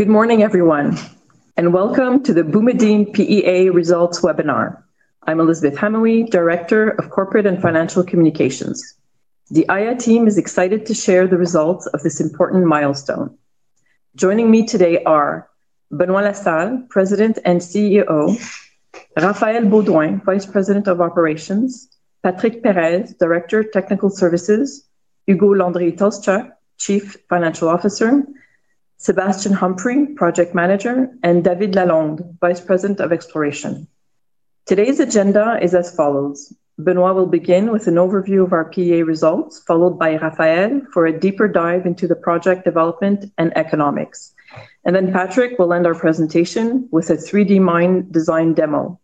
Good morning, everyone, and welcome to the Boumadine PEA Results Webinar. I'm Elizabeth Hamaue, Director of Corporate and Financial Communications. The Aya team is excited to share the results of this important milestone. Joining me today are Benoit La Salle, President and CEO; Raphaël Beaudoin, Vice President of Operations; Patrick Pérez, Director of Technical Services; Ugo Landry-Tolszczuk, Chief Financial Officer; Sebastian Humphrey, Project Manager; and David Lalonde, Vice President of Exploration. Today's agenda is as follows: Benoit will begin with an overview of our PEA results, followed by Raphaël for a deeper dive into the project development and economics, and then Patrick will end our presentation with a 3D mine design demo.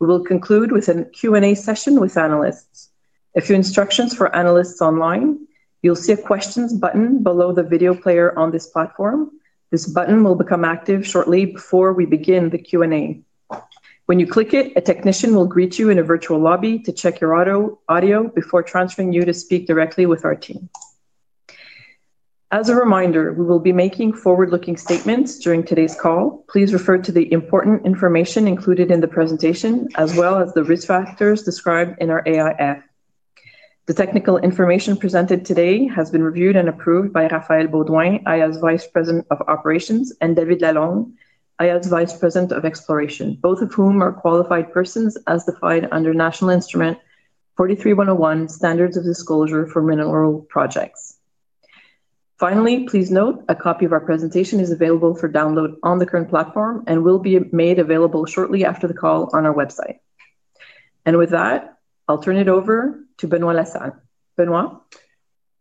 We will conclude with a Q&A session with analysts. If you are analysts online, you'll see a questions button below the video player on this platform. This button will become active shortly before we begin the Q&A. When you click it, a technician will greet you in a virtual lobby to check your audio before transferring you to speak directly with our team. As a reminder, we will be making forward-looking statements during today's call. Please refer to the important information included in the presentation, as well as the risk factors described in our AIF. The technical information presented today has been reviewed and approved by Raphaël Beaudoin, Aya's Vice President of Operations, and David Lalonde, Aya's Vice President of Exploration, both of whom are qualified persons as defined under National Instrument 43-101, Standards of Disclosure for Mineral Projects. Finally, please note a copy of our presentation is available for download on the current platform and will be made available shortly after the call on our website. With that, I'll turn it over to Benoit La Salle. Benoit?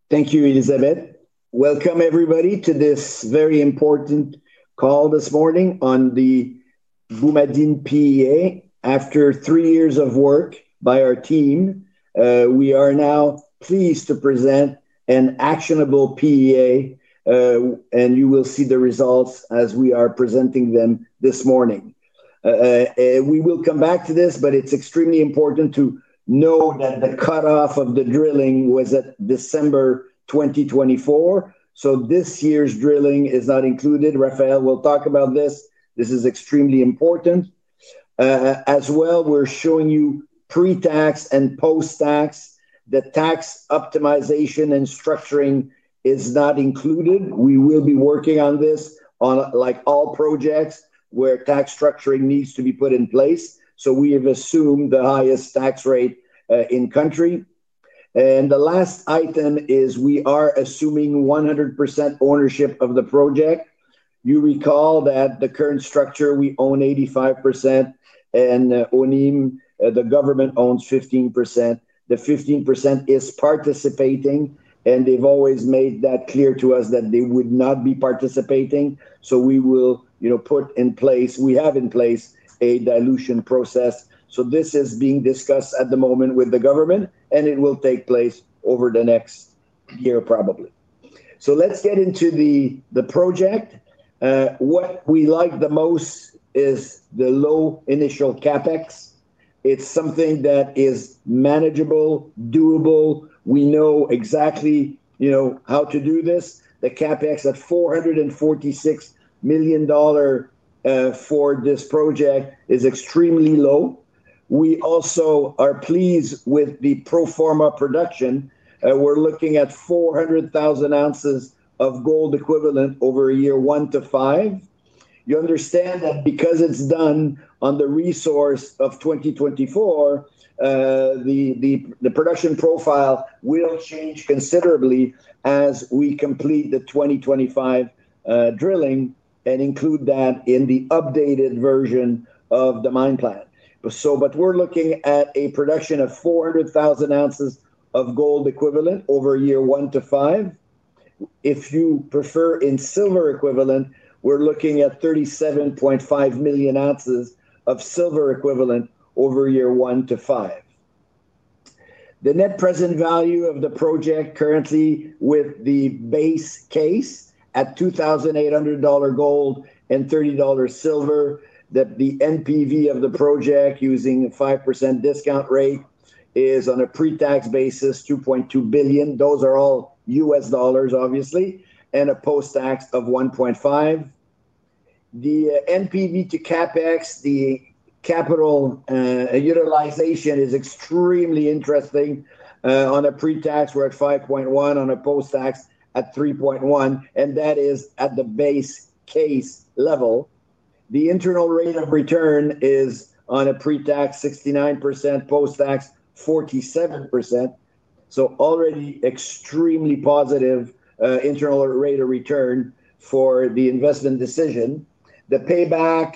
Thank you, Elizabeth. Welcome, everybody, to this very important call this morning on the Boumadine PEA. After three years of work by our team, we are now pleased to present an actionable PEA. And you will see the results as we are presenting them this morning. We will come back to this, but it's extremely important to know that the cutoff of the drilling was at December 2024. So this year's drilling is not included. Raphaël will talk about this. This is extremely important. As well, we're showing you pre-tax and post-tax. The tax optimization and structuring is not included. We will be working on this on, like all projects, where tax structuring needs to be put in place. So we have assumed the highest tax rate in the country. And the last item is we are assuming 100% ownership of the project. You recall that the current structure we own 85%. And the government owns 15%. The 15% is participating. And they've always made that clear to us that they would not be participating. So we will put in place we have in place a dilution process. So this is being discussed at the moment with the government, and it will take place over the next year, probably. So let's get into the project. What we like the most is the low initial CapEx. It's something that is manageable, doable. We know exactly how to do this. The CapEx at $446 million for this project is extremely low. We also are pleased with the pro forma production. We're looking at 400,000 ounces of gold equivalent over a year one to five. You understand that because it's done on the resource of 2024. The production profile will change considerably as we complete the 2025 drilling and include that in the updated version of the mine plan. But we're looking at a production of 400,000 ounces of gold equivalent over a year one to five. If you prefer in silver equivalent, we're looking at 37.5 million ounces of silver equivalent over a year one to five. The net present value of the project currently with the base case at $2,800 gold and $30 silver, that the NPV of the project using a 5% discount rate is on a pre-tax basis, $2.2 billion. Those are all U.S. dollars, obviously, and a post-tax of $1.5 billion. The NPV to CapEx, the capital utilization is extremely interesting. On a pre-tax, we're at 5.1%; on a post-tax, at 3.1%. And that is at the base case level. The internal rate of return is on a pre-tax 69%, post-tax 47%. So already extremely positive internal rate of return for the investment decision. The payback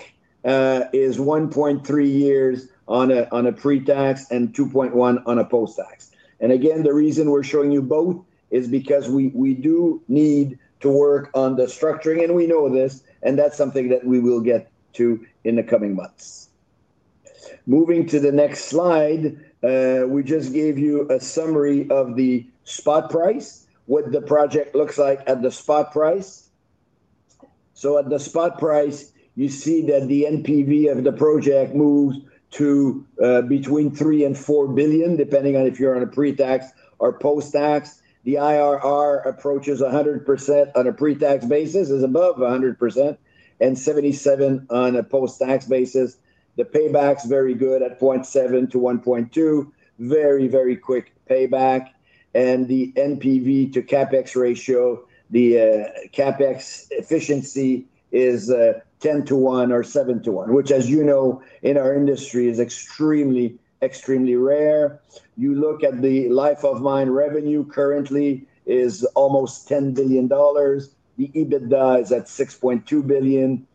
is 1.3 years on a pre-tax and 2.1 on a post-tax. And again, the reason we're showing you both is because we do need to work on the structuring, and we know this, and that's something that we will get to in the coming months. Moving to the next slide, we just gave you a summary of the spot price, what the project looks like at the spot price. So at the spot price, you see that the NPV of the project moves to between $3 billion-4 billion, depending on if you're on a pre-tax or post-tax. The IRR approaches 100% on a pre-tax basis is above 100% and 77% on a post-tax basis. The payback is very good at 0.7-1.2, very, very quick payback. The NPV to CapEx ratio, the CapEx efficiency is 10:1 or 7:1, which, as you know, in our industry is extremely, extremely rare. You look at the life of mine revenue currently is almost $10 billion. The EBITDA is at $6.2 billion.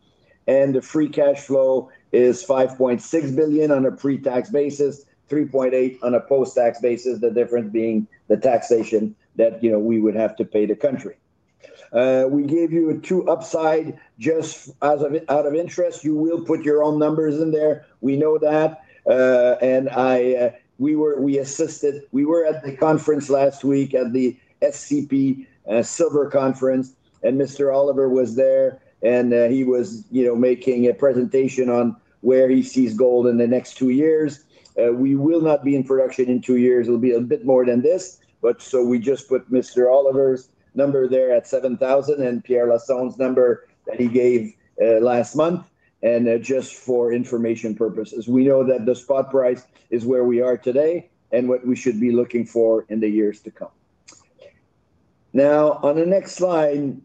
The free cash flow is $5.6 billion on a pre-tax basis, $3.8 billion on a post-tax basis, the difference being the taxation that we would have to pay the country. We gave you an upside too just out of interest. You will put your own numbers in there. We know that. We were at the conference last week at the SCP Silver Conference, and Mr. Oliver was there, and he was making a presentation on where he sees gold in the next two years. We will not be in production in two years. It'll be a bit more than this. So we just put Mr. Oliver's number there at $7,000 and Pierre Lassonde's number that he gave last month. Just for information purposes, we know that the spot price is where we are today and what we should be looking for in the years to come. Now, on the next slide,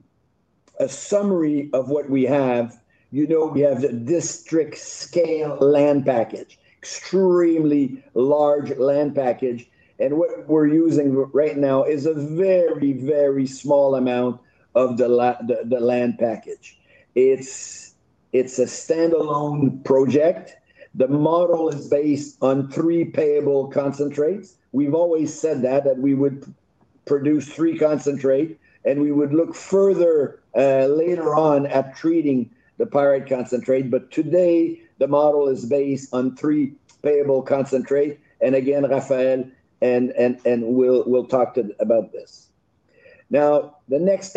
a summary of what we have. You know we have the district-scale land package, extremely large land package. What we're using right now is a very, very small amount of the land package. It's a stand-alone project. The model is based on three payable concentrates. We've always said that, that we would produce three concentrates, and we would look further later on at treating the pyrite concentrate. But today, the model is based on three payable concentrates. Again, Raphaël, we'll talk about this. Now, the next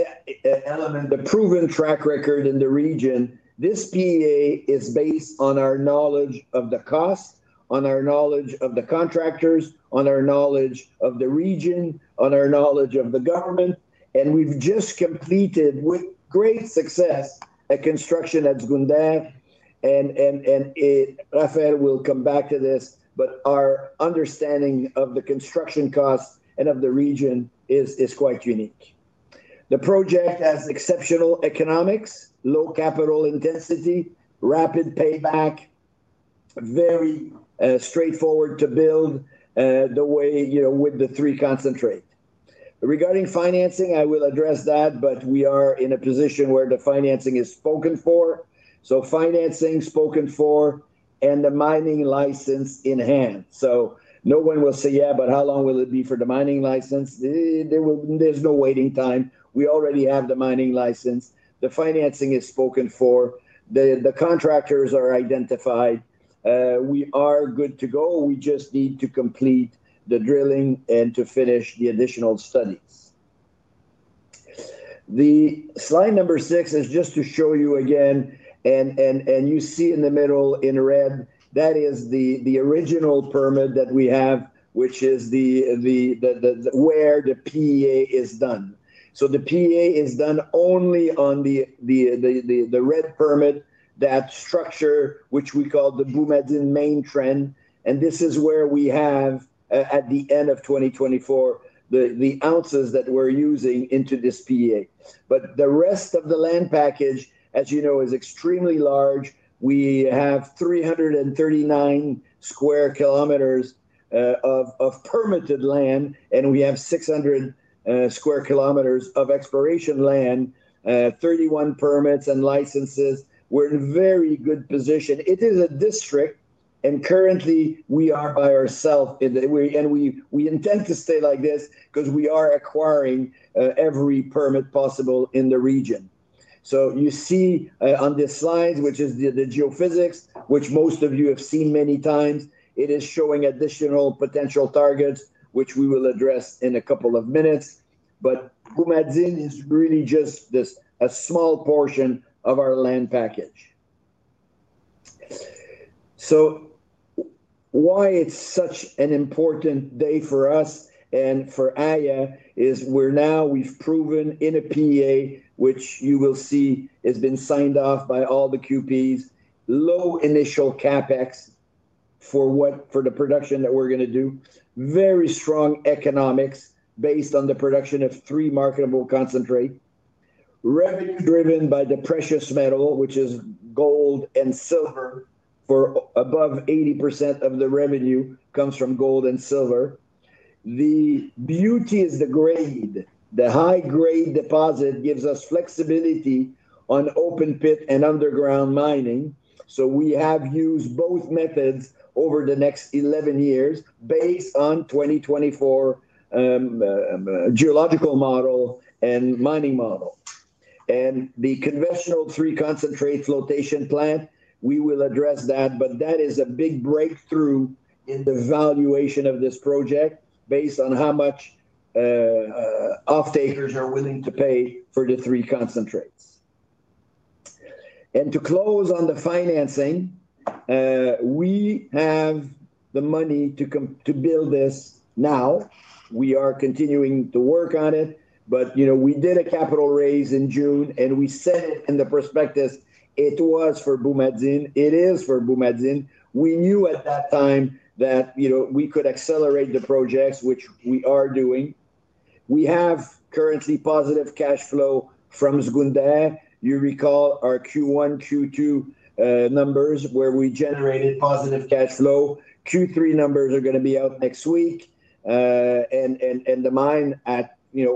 element, the proven track record in the region, this PEA is based on our knowledge of the cost, on our knowledge of the contractors, on our knowledge of the region, on our knowledge of the government. We've just completed with great success a construction at Zgounder. Raphaël will come back to this, but our understanding of the construction costs and of the region is quite unique. The project has exceptional economics, low capital intensity, rapid payback. Very straightforward to build the way with the three concentrates. Regarding financing, I will address that, but we are in a position where the financing is spoken for. So financing spoken for and the mining license in hand. So no one will say, "Yeah, but how long will it be for the mining license?" There's no waiting time. We already have the mining license. The financing is spoken for. The contractors are identified. We are good to go. We just need to complete the drilling and to finish the additional studies. The slide number six is just to show you again, and you see in the middle in red, that is the original permit that we have, which is where the PEA is done. So the PEA is done only on the red permit, that structure, which we call the Boumadine main trend. And this is where we have, at the end of 2024, the ounces that we're using into this PEA. But the rest of the land package, as you know, is extremely large. We have 339 sq km of permitted land, and we have 600 sq km of exploration land. 31 permits and licenses. We're in very good position. It is a district, and currently we are by ourselves. And we intend to stay like this because we are acquiring every permit possible in the region. So you see on this slide, which is the geophysics, which most of you have seen many times, it is showing additional potential targets, which we will address in a couple of minutes. But Boumadine is really just a small portion of our land package. So why it's such an important day for us and for Aya is we're now, we've proven in a PEA, which you will see has been signed off by all the QPs, low initial CapEx for the production that we're going to do, very strong economics based on the production of three marketable concentrates. Revenue driven by the precious metal, which is gold and silver, for above 80% of the revenue comes from gold and silver. The beauty is the grade. The high-grade deposit gives us flexibility on open pit and underground mining. So we have used both methods over the next 11 years based on 2024 geological model and mining model. And the conventional three concentrates flotation plant, we will address that, but that is a big breakthrough in the valuation of this project based on how much off-takers are willing to pay for the three concentrates. And to close on the financing. We have the money to build this now. We are continuing to work on it. But we did a capital raise in June, and we said it in the prospectus. It was for Boumadine. It is for Boumadine. We knew at that time that we could accelerate the projects, which we are doing. We have currently positive cash flow from Zgounder. You recall our Q1, Q2 numbers where we generated positive cash flow. Q3 numbers are going to be out next week. And the mine at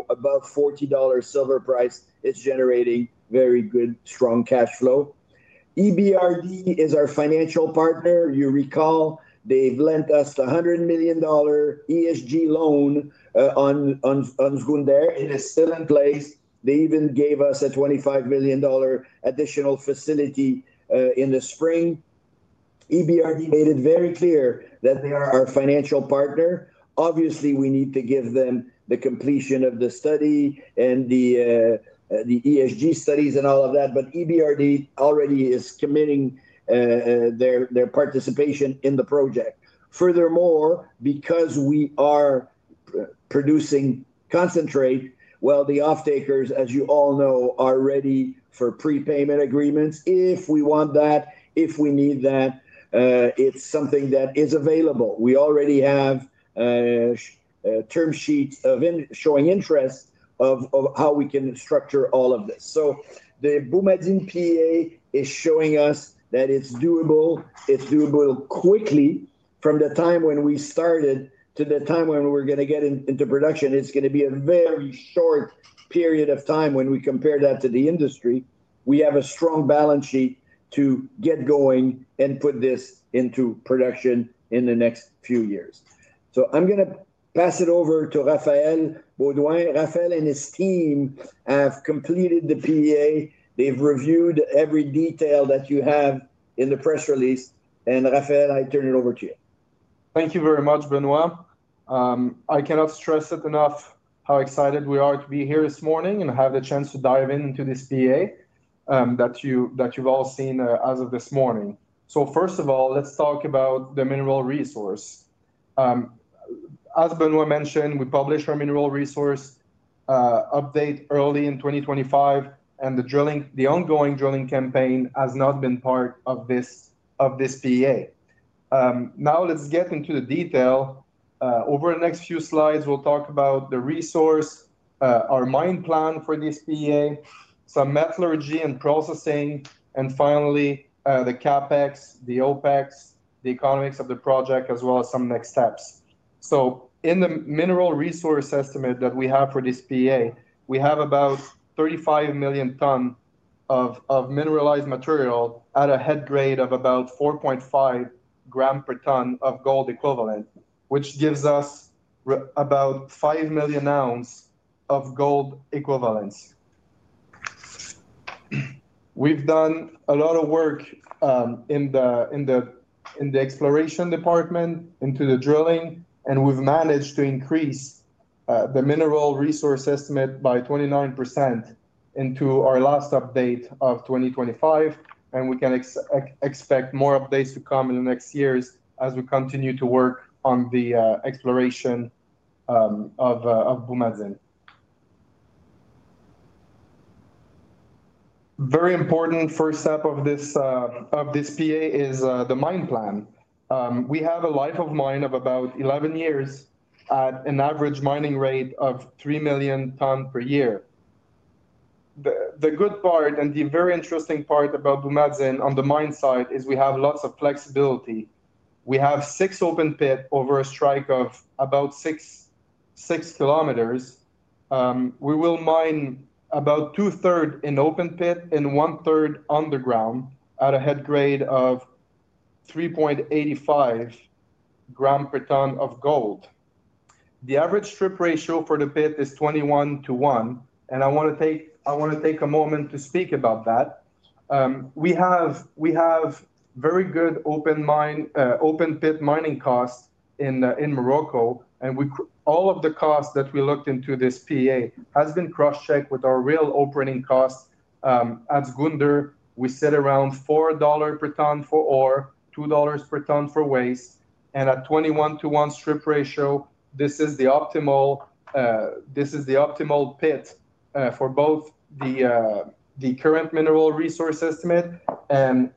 above $40 silver price is generating very good, strong cash flow. EBRD is our financial partner. You recall they've lent us the $100 million. ESG loan on Zgounder. It is still in place. They even gave us a $25 million additional facility in the spring. EBRD made it very clear that they are our financial partner. Obviously, we need to give them the completion of the study and the ESG studies and all of that. But EBRD already is committing their participation in the project. Furthermore, because we are producing concentrate, well, the off-takers, as you all know, are ready for prepayment agreements. If we want that, if we need that. It's something that is available. We already have term sheets showing interest of how we can structure all of this. So the Boumadine PEA is showing us that it's doable. It's doable quickly from the time when we started to the time when we're going to get into production. It's going to be a very short period of time when we compare that to the industry. We have a strong balance sheet to get going and put this into production in the next few years. So I'm going to pass it over to Raphaël Beaudoin. Raphaël and his team have completed the PEA. They've reviewed every detail that you have in the press release. And Raphaël, I turn it over to you. Thank you very much, Benoit. I cannot stress it enough how excited we are to be here this morning and have the chance to dive into this PEA that you've all seen as of this morning. So first of all, let's talk about the mineral resource. As Benoit mentioned, we published our mineral resource update early in 2025, and the ongoing drilling campaign has not been part of this PEA. Now let's get into the detail. Over the next few slides, we'll talk about the resource, our mine plan for this PEA, some metallurgy and processing, and finally, the CapEx, the OpEx, the economics of the project, as well as some next steps. So in the Mineral Resource Estimate that we have for this PEA, we have about 35 million tons of mineralized material at a head grade of about 4.5 grams per ton of gold equivalent, which gives us about 5 million ounces of gold equivalents. We've done a lot of work in the exploration department into the drilling, and we've managed to increase the Mineral Resource Estimate by 29% into our last update of 2025. And we can expect more updates to come in the next years as we continue to work on the exploration of Boumadine. Very important first step of this PEA is the mine plan. We have a life of mine of about 11 years at an average mining rate of 3 million tons per year. The good part and the very interesting part about Boumadine on the mine side is we have lots of flexibility. We have six open pit over a strike of about six kilometers. We will mine about 2/3 in open pit and 1/3 underground at a head grade of 3.85 grams per ton of gold. The average strip ratio for the pit is 21:1. And I want to take a moment to speak about that. We have very good open pit mining costs in Morocco. And all of the costs that we looked into this PEA has been cross-checked with our real operating costs. At Zgounder, we sit around $4 per ton for ore, $2 per ton for waste. And at 21:1 strip ratio, this is the optimal pit for both the current mineral resource estimate, and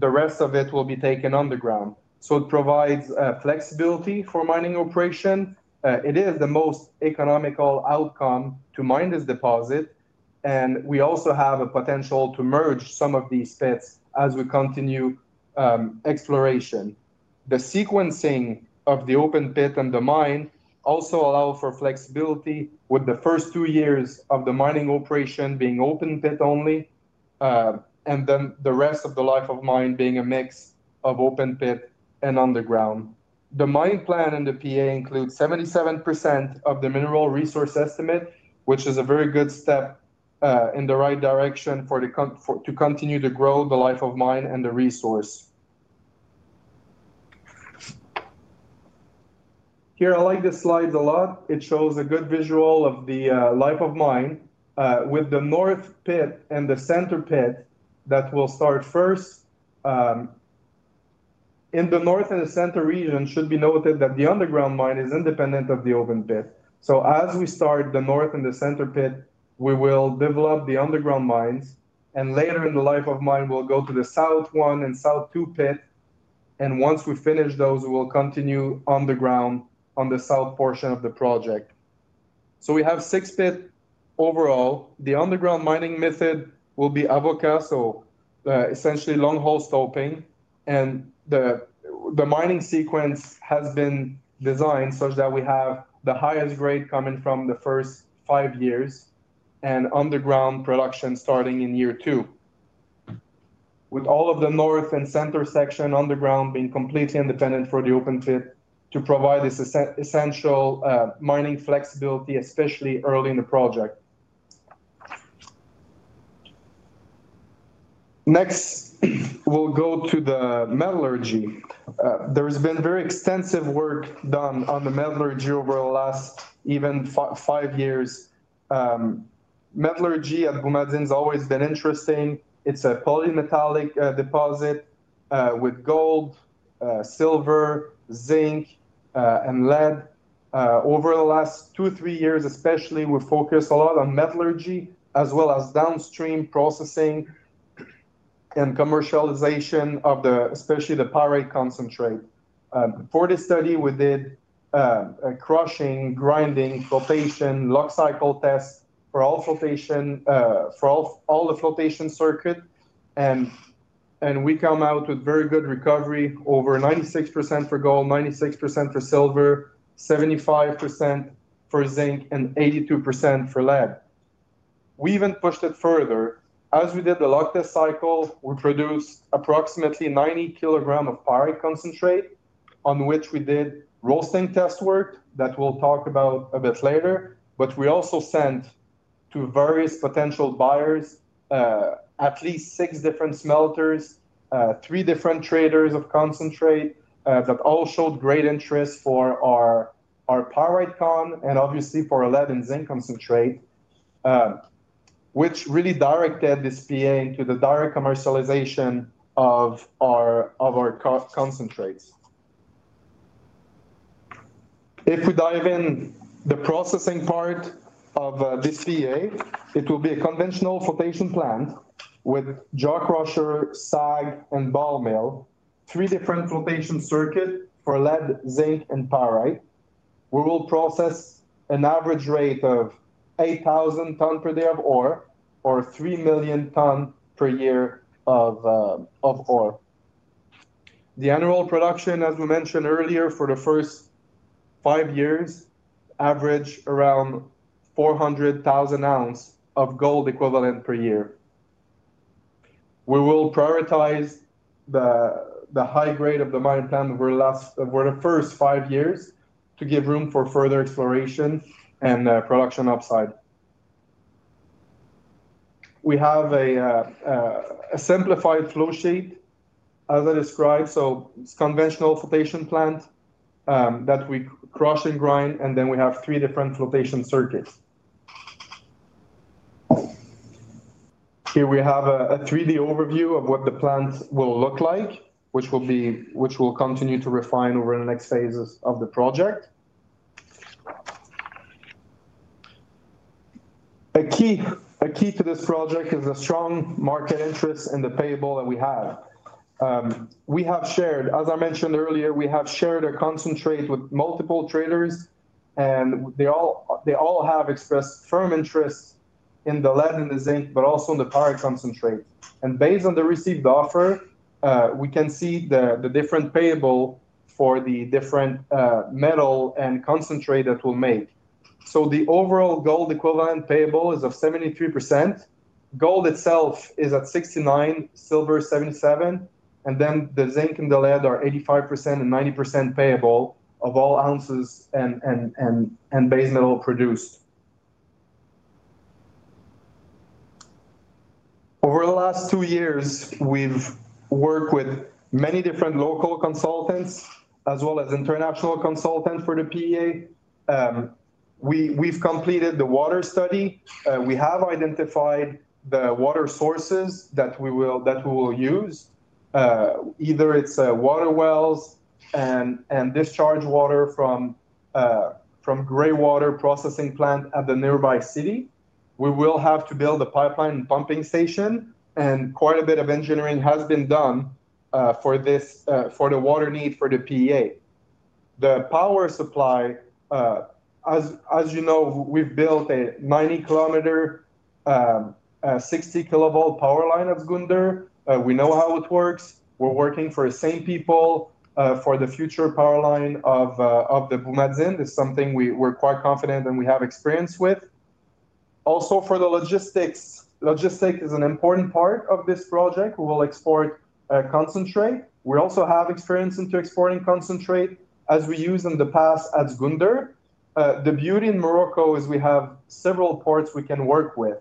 the rest of it will be taken underground. So it provides flexibility for mining operation. It is the most economical outcome to mine this deposit. And we also have a potential to merge some of these pits as we continue exploration. The sequencing of the open pit and the mine also allows for flexibility with the first two years of the mining operation being open pit only. And then the rest of the life of mine being a mix of open pit and underground. The mine plan and the PEA include 77% of the Mineral Resource Estimate, which is a very good step in the right direction to continue to grow the life of mine and the resource. Here, I like the slides a lot. It shows a good visual of the life of mine with the north pit and the center pit that will start first. In the north and the center region, it should be noted that the underground mine is independent of the open pit. So as we start the north and the center pit, we will develop the underground mines. And later in the life of mine, we'll go to the South 1 and South 2 pit. And once we finish those, we'll continue underground on the south portion of the project. So we have six pits overall. The underground mining method will be Avoca, so essentially long-hole stoping. And the mining sequence has been designed such that we have the highest grade coming from the first five years and underground production starting in year two. With all of the north and center section underground being completely independent for the open pit to provide this essential mining flexibility, especially early in the project. Next, we'll go to the metallurgy. There has been very extensive work done on the metallurgy over the last even five years. Metallurgy at Boumadine has always been interesting. It's a polymetallic deposit with gold, silver, zinc, and lead. Over the last two, three years, especially, we focus a lot on metallurgy as well as downstream processing and commercialization of especially the pyrite concentrate. For this study, we did crushing, grinding, flotation, lock cycle tests for all the flotation circuit. And we come out with very good recovery over 96% for gold, 96% for silver, 75% for zinc, and 82% for lead. We even pushed it further. As we did the locked-cycle test, we produced approximately 90 kg of pyrite concentrate on which we did roasting test work that we'll talk about a bit later. But we also sent to various potential buyers. At least six different smelters, three different traders of concentrate that all showed great interest for our pyrite concentrate and obviously for lead and zinc concentrate. Which really directed this PEA into the direct commercialization of our concentrates. If we dive in the processing part of this PEA, it will be a conventional flotation plant with jaw crusher, SAG, and ball mill, three different flotation circuits for lead, zinc, and pyrite. We will process an average rate of 8,000 tons per day of ore or 3 million tons per year of ore. The annual production, as we mentioned earlier, for the first five years, averaged around 400,000 ounces of gold equivalent per year. We will prioritize the high grade of the mine plan over the first five years to give room for further exploration and production upside. We have a simplified flow sheet, as I described. So it's a conventional flotation plant that we crush and grind, and then we have three different flotation circuits. Here we have a 3D overview of what the plant will look like, which will continue to refine over the next phases of the project. A key to this project is the strong market interest in the payable that we have. As I mentioned earlier, we have shared our concentrate with multiple traders, and they all have expressed firm interest in the lead and the zinc, but also in the pyrite concentrate. And based on the received offer, we can see the different payable for the different metal and concentrate that we'll make. So the overall gold equivalent payable is of 73%. Gold itself is at 69%, silver 77%, and then the zinc and the lead are 85% and 90% payable of all ounces and base metal produced. Over the last two years, we've worked with many different local consultants as well as international consultants for the PEA. We've completed the water study. We have identified the water sources that we will use. Either it's water wells and discharge water from gray water processing plant at the nearby city. We will have to build a pipeline and pumping station, and quite a bit of engineering has been done for the water need for the PEA. The power supply. As you know, we've built a 90 km 60 kV power line at Zgounder. We know how it works. We're working for the same people for the future power line of the Boumadine. It's something we're quite confident and we have experience with. Also, for the logistics. Logistics is an important part of this project. We will export concentrate. We also have experience in exporting concentrate as we used in the past at Zgounder. The beauty in Morocco is we have several ports we can work with.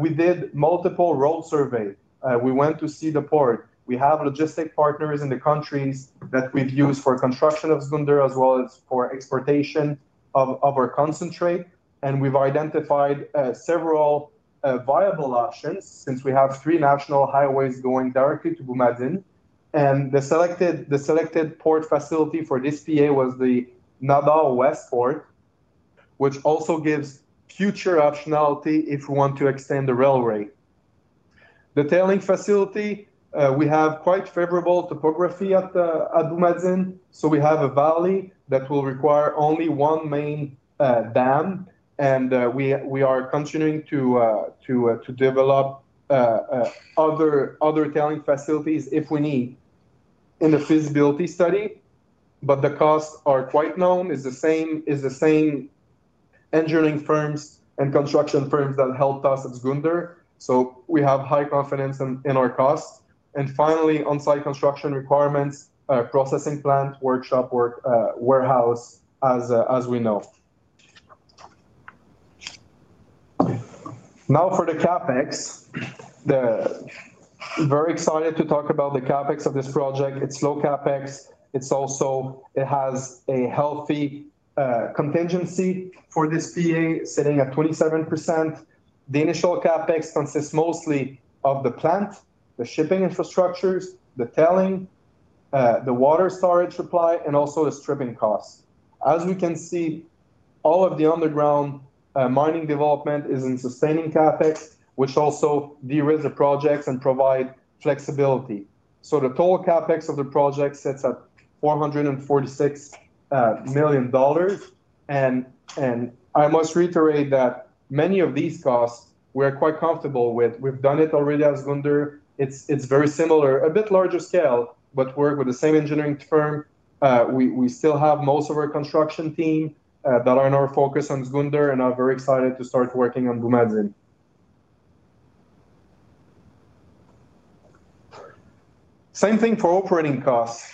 We did multiple road surveys. We went to see the port. We have logistic partners in the countries that we've used for construction of Zgounder as well as for exportation of our concentrate. And we've identified several viable options since we have three national highways going directly to Boumadine. And the selected port facility for this PEA was the Nador-West Port, which also gives future optionality if we want to extend the railway. The tailings facility, we have quite favorable topography at Boumadine. So we have a valley that will require only one main dam. And we are continuing to develop other tailings facilities if we need in the feasibility study. But the costs are quite known. It's the same engineering firms and construction firms that helped us at Zgounder. So we have high confidence in our costs. And finally, on-site construction requirements, processing plant, workshop, warehouse as we know. Now for the CapEx. Very excited to talk about the CapEx of this project. It's low CapEx. It has a healthy contingency for this PEA sitting at 27%. The initial CapEx consists mostly of the plant, the shipping infrastructures, the tailings, the water storage supply, and also the stripping costs. As we can see, all of the underground mining development is in sustaining CapEx, which also de-risks the project and provides flexibility. So the total CapEx of the project sits at $446 million. And I must reiterate that many of these costs we are quite comfortable with. We've done it already at Zgounder. It's very similar, a bit larger scale, but worked with the same engineering firm. We still have most of our construction team that are in our focus on Zgounder and are very excited to start working on Boumadine. Same thing for operating costs.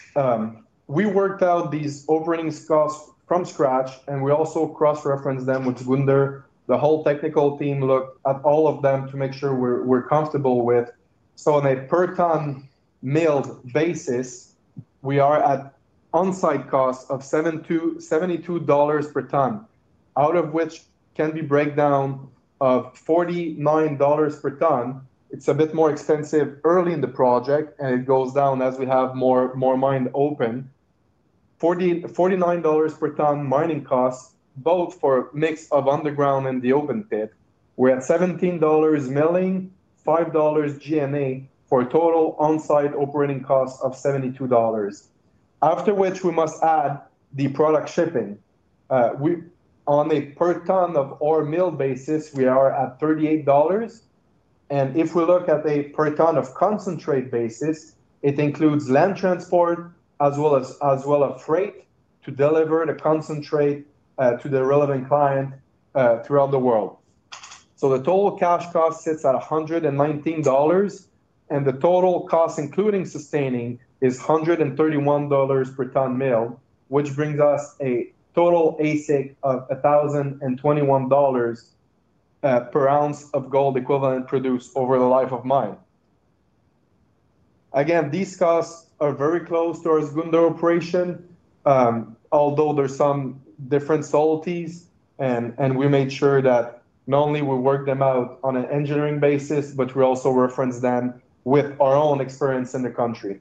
We worked out these operating costs from scratch, and we also cross-referenced them with Zgounder. The whole technical team looked at all of them to make sure we're comfortable with. So on a per-ton milled basis, we are at on-site cost of $72 per ton, out of which can be breakdown of $49 per ton. It's a bit more expensive early in the project, and it goes down as we have more mine open. $49 per ton mining costs, both for a mix of underground and the open pit. We're at $17 milling, $5 G&A for a total on-site operating cost of $72. After which, we must add the product shipping. On a per ton of our milled basis, we are at $38. And if we look at a per ton of concentrate basis, it includes land transport as well as freight to deliver the concentrate to the relevant client throughout the world. So the total cash cost sits at $119. And the total cost, including sustaining, is $131 per ton milled, which brings us a total AISC of $1,021 per ounce of gold equivalent produced over the life of mine. Again, these costs are very close to our Zgounder operation. Although there are some different subtleties, and we made sure that not only we worked them out on an engineering basis, but we also referenced them with our own experience in the country.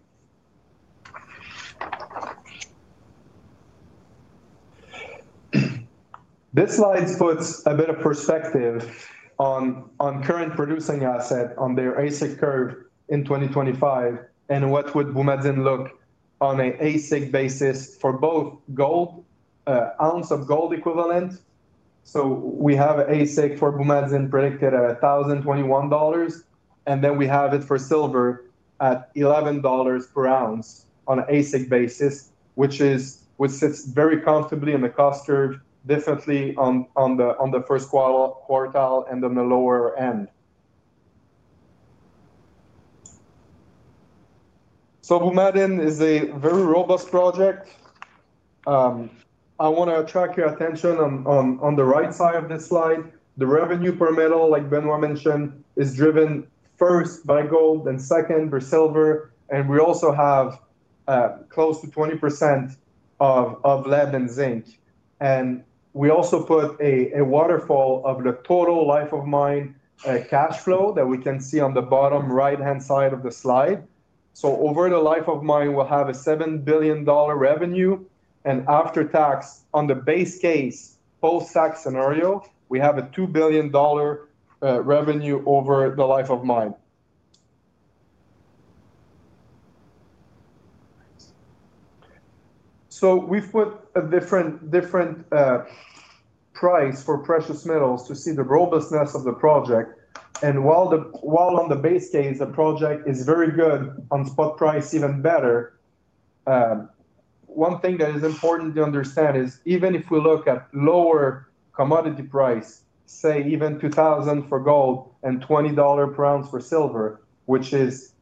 This slide puts a bit of perspective on current producing asset on their AISC curve in 2025 and what would Boumadine look like on an AISC basis for both ounce of gold equivalent. So we have an AISC for Boumadine predicted at $1,021. And then we have it for silver at $11 per ounce on an AISC basis, which sits very comfortably in the cost curve, definitely on the first quartile and on the lower end. So Boumadine is a very robust project. I want to attract your attention on the right side of this slide. The revenue per metal, like Benoit mentioned, is driven first by gold and second by silver. And we also have close to 20% of lead and zinc. And we also put a waterfall of the total life of mine cash flow that we can see on the bottom right-hand side of the slide. So over the life of mine, we'll have a $7 billion revenue. And after tax, on the base case, post-tax scenario, we have a $2 billion revenue over the life of mine. So we put a different price for precious metals to see the robustness of the project. And while on the base case, the project is very good, on spot price, even better. One thing that is important to understand is even if we look at lower commodity price, say even $2,000 for gold and $20 per ounce for silver, which is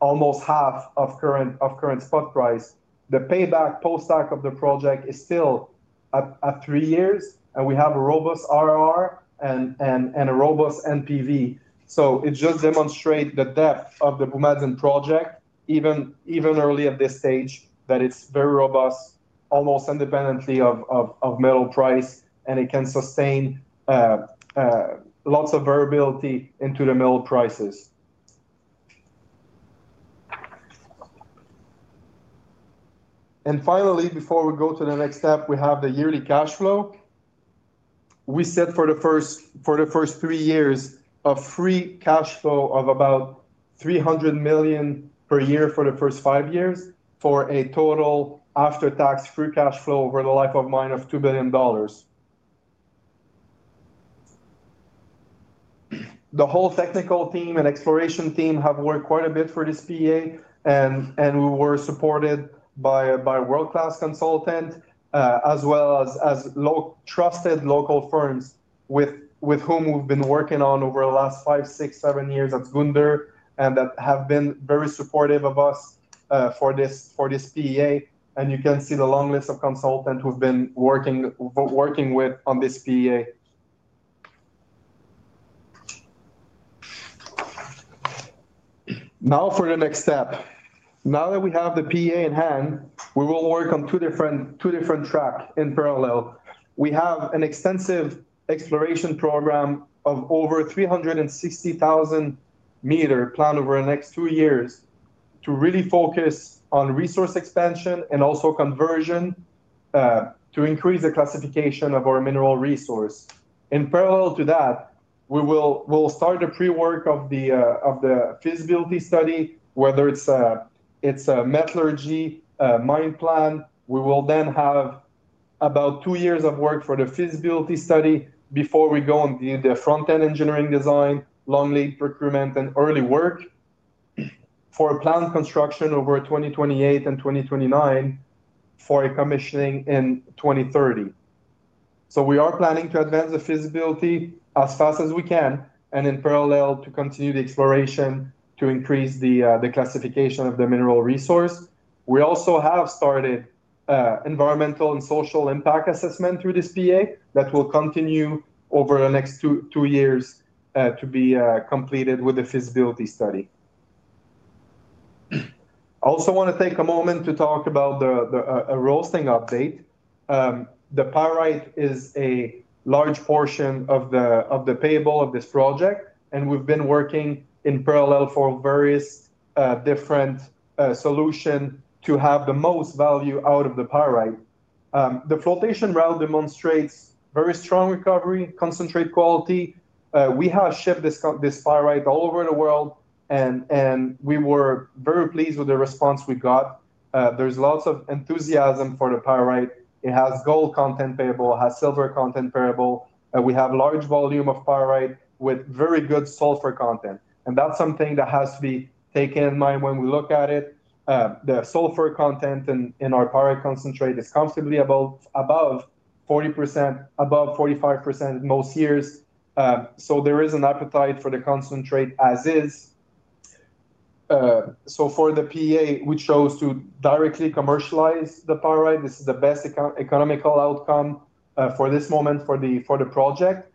almost half of current spot price, the payback post-tax of the project is still at three years, and we have a robust IRR and a robust NPV. So it just demonstrates the depth of the Boumadine project, even early at this stage, that it's very robust, almost independently of metal price, and it can sustain lots of variability into the metal prices. And finally, before we go to the next step, we have the yearly cash flow. We set for the first three years a free cash flow of about $300 million per year for the first five years for a total after-tax free cash flow over the life of mine of $2 billion. The whole technical team and exploration team have worked quite a bit for this PEA, and we were supported by a world-class consultant as well as trusted local firms with whom we've been working on over the last five, six, seven years at Zgounder and that have been very supportive of us for this PEA. And you can see the long list of consultants we've been working with on this PEA. Now for the next step. Now that we have the PEA in hand, we will work on two different tracks in parallel. We have an extensive exploration program of over 360,000 m planned over the next two years to really focus on resource expansion and also conversion. To increase the classification of our mineral resource. In parallel to that, we will start the pre-work of the feasibility study, whether it's a metallurgy, mine plan. We will then have about two years of work for the feasibility study before we go into the front-end engineering design, long lead procurement, and early work. For planned construction over 2028 and 2029 for commissioning in 2030. So we are planning to advance the feasibility as fast as we can and in parallel to continue the exploration to increase the classification of the mineral resource. We also have started environmental and social impact assessment through this PEA that will continue over the next two years to be completed with the feasibility study. I also want to take a moment to talk about a roasting update. The pyrite is a large portion of the payable of this project, and we've been working in parallel for various different solutions to have the most value out of the pyrite. The flotation route demonstrates very strong recovery concentrate quality. We have shipped this pyrite all over the world, and we were very pleased with the response we got. There's lots of enthusiasm for the pyrite. It has gold content payable, has silver content payable. We have a large volume of pyrite with very good sulfur content. And that's something that has to be taken in mind when we look at it. The sulfur content in our pyrite concentrate is comfortably above 40%, above 45% in most years. So there is an appetite for the concentrate as is. So for the PEA, we chose to directly commercialize the pyrite. This is the best economical outcome for this moment for the project.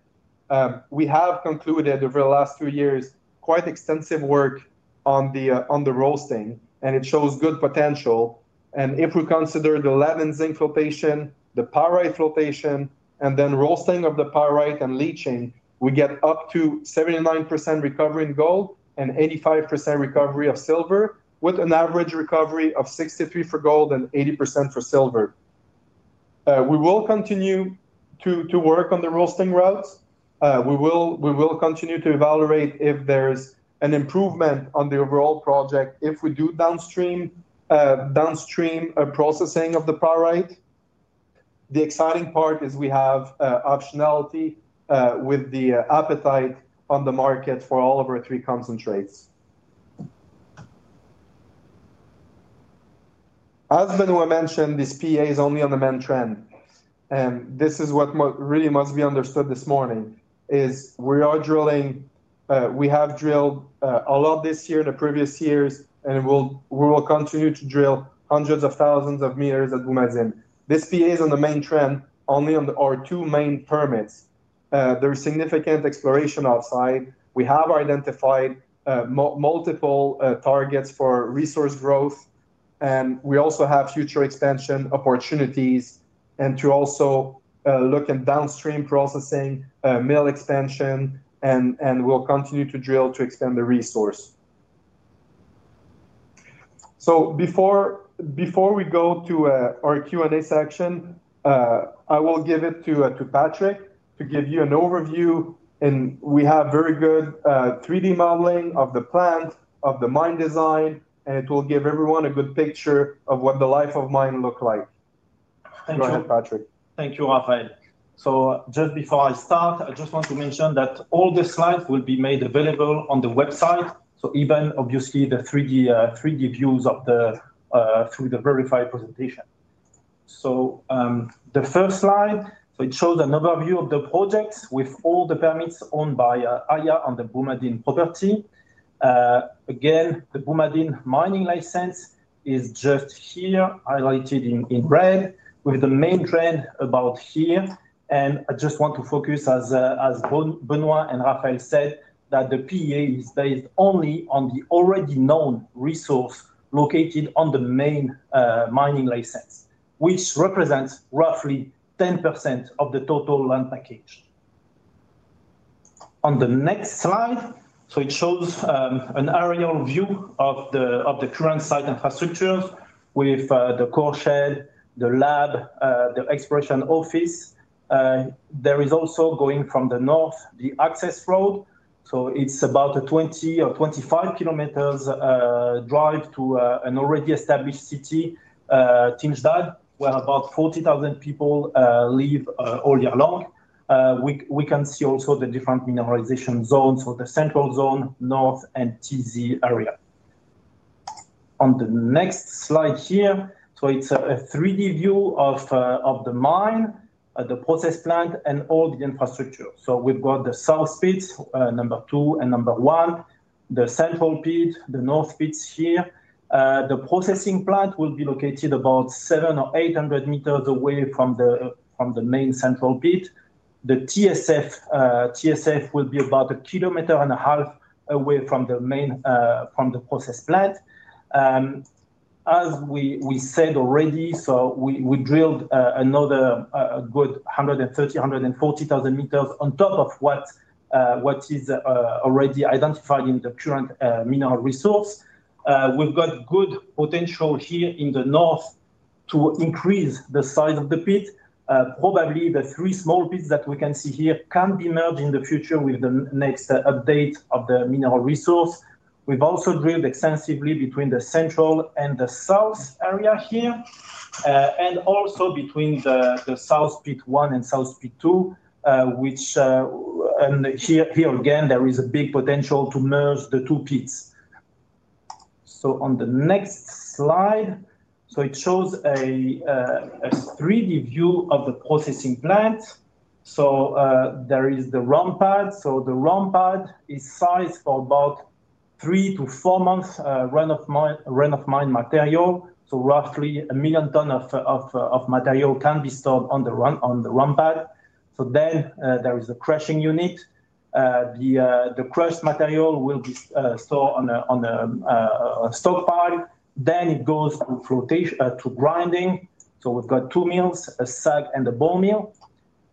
We have concluded over the last two years quite extensive work on the roasting, and it shows good potential. And if we consider the lead and zinc flotation, the pyrite flotation, and then roasting of the pyrite and leaching, we get up to 79% recovery in gold and 85% recovery of silver, with an average recovery of 63% for gold and 80% for silver. We will continue to work on the roasting routes. We will continue to evaluate if there's an improvement on the overall project if we do downstream processing of the pyrite. The exciting part is we have optionality with the appetite on the market for all of our three concentrates. As Benoit mentioned, this PEA is only on the main trend. And this is what really must be understood this morning is we have drilled a lot this year and the previous years, and we will continue to drill hundreds of thousands of meters at Boumadine. This PEA is on the main trend only on our two main permits. There is significant exploration outside. We have identified. Multiple targets for resource growth, and we also have future expansion opportunities and to also look at downstream processing, mill expansion, and we'll continue to drill to extend the resource. So before we go to our Q&A section, I will give it to Patrick to give you an overview. And we have very good 3D modeling of the plant, of the mine design, and it will give everyone a good picture of what the life of mine looks like. Thank you, Patrick. Thank you, Raphaël. So just before I start, I just want to mention that all the slides will be made available on the website. So even, obviously, the 3D views through the verified presentation. So the first slide, so it shows an overview of the project with all the permits owned by Aya on the Boumadine property. Again, the Boumadine mining license is just here highlighted in red with the main trend about here. And I just want to focus, as Benoit and Raphaël said, that the PEA is based only on the already known resource located on the main mining license, which represents roughly 10% of the total land package. On the next slide, so it shows an aerial view of the current site infrastructure with the core shed, the lab, the exploration office. There is also going from the north the access road. So it's about a 20 or 25 km drive to an already established city, Tinejdad, where about 40,000 people live all year long. We can see also the different mineralization zones, so the Central Zone, North, and Tizi area. On the next slide here, so it's a 3D view of the mine, the process plant, and all the infrastructure. So we've got the South pits, number two and number one, the Central pit, the North pits here. The processing plant will be located about 700 or 800 m away from the main Central pit. The TSF will be about a kilometer and a half away from the process plant. As we said already, so we drilled another good 130,000-140,000 m on top of what is already identified in the current mineral resource. We've got good potential here in the North to increase the size of the pit. Probably the three small pits that we can see here can be merged in the future with the next update of the mineral resource. We've also drilled extensively between the Central and the South area here. And also between the South Pit 1 and South Pit 2, which here again, there is a big potential to merge the two pits. So on the next slide, so it shows a 3D view of the processing plant. So there is the ROM pad. So the ROM pad is sized for about three to four months' run of mine material. So roughly a million tons of material can be stored on the ROM pad. So then there is a crushing unit. The crushed material will be stored on a stockpile. Then it goes to grinding. So we've got two mills, a SAG and a ball mill.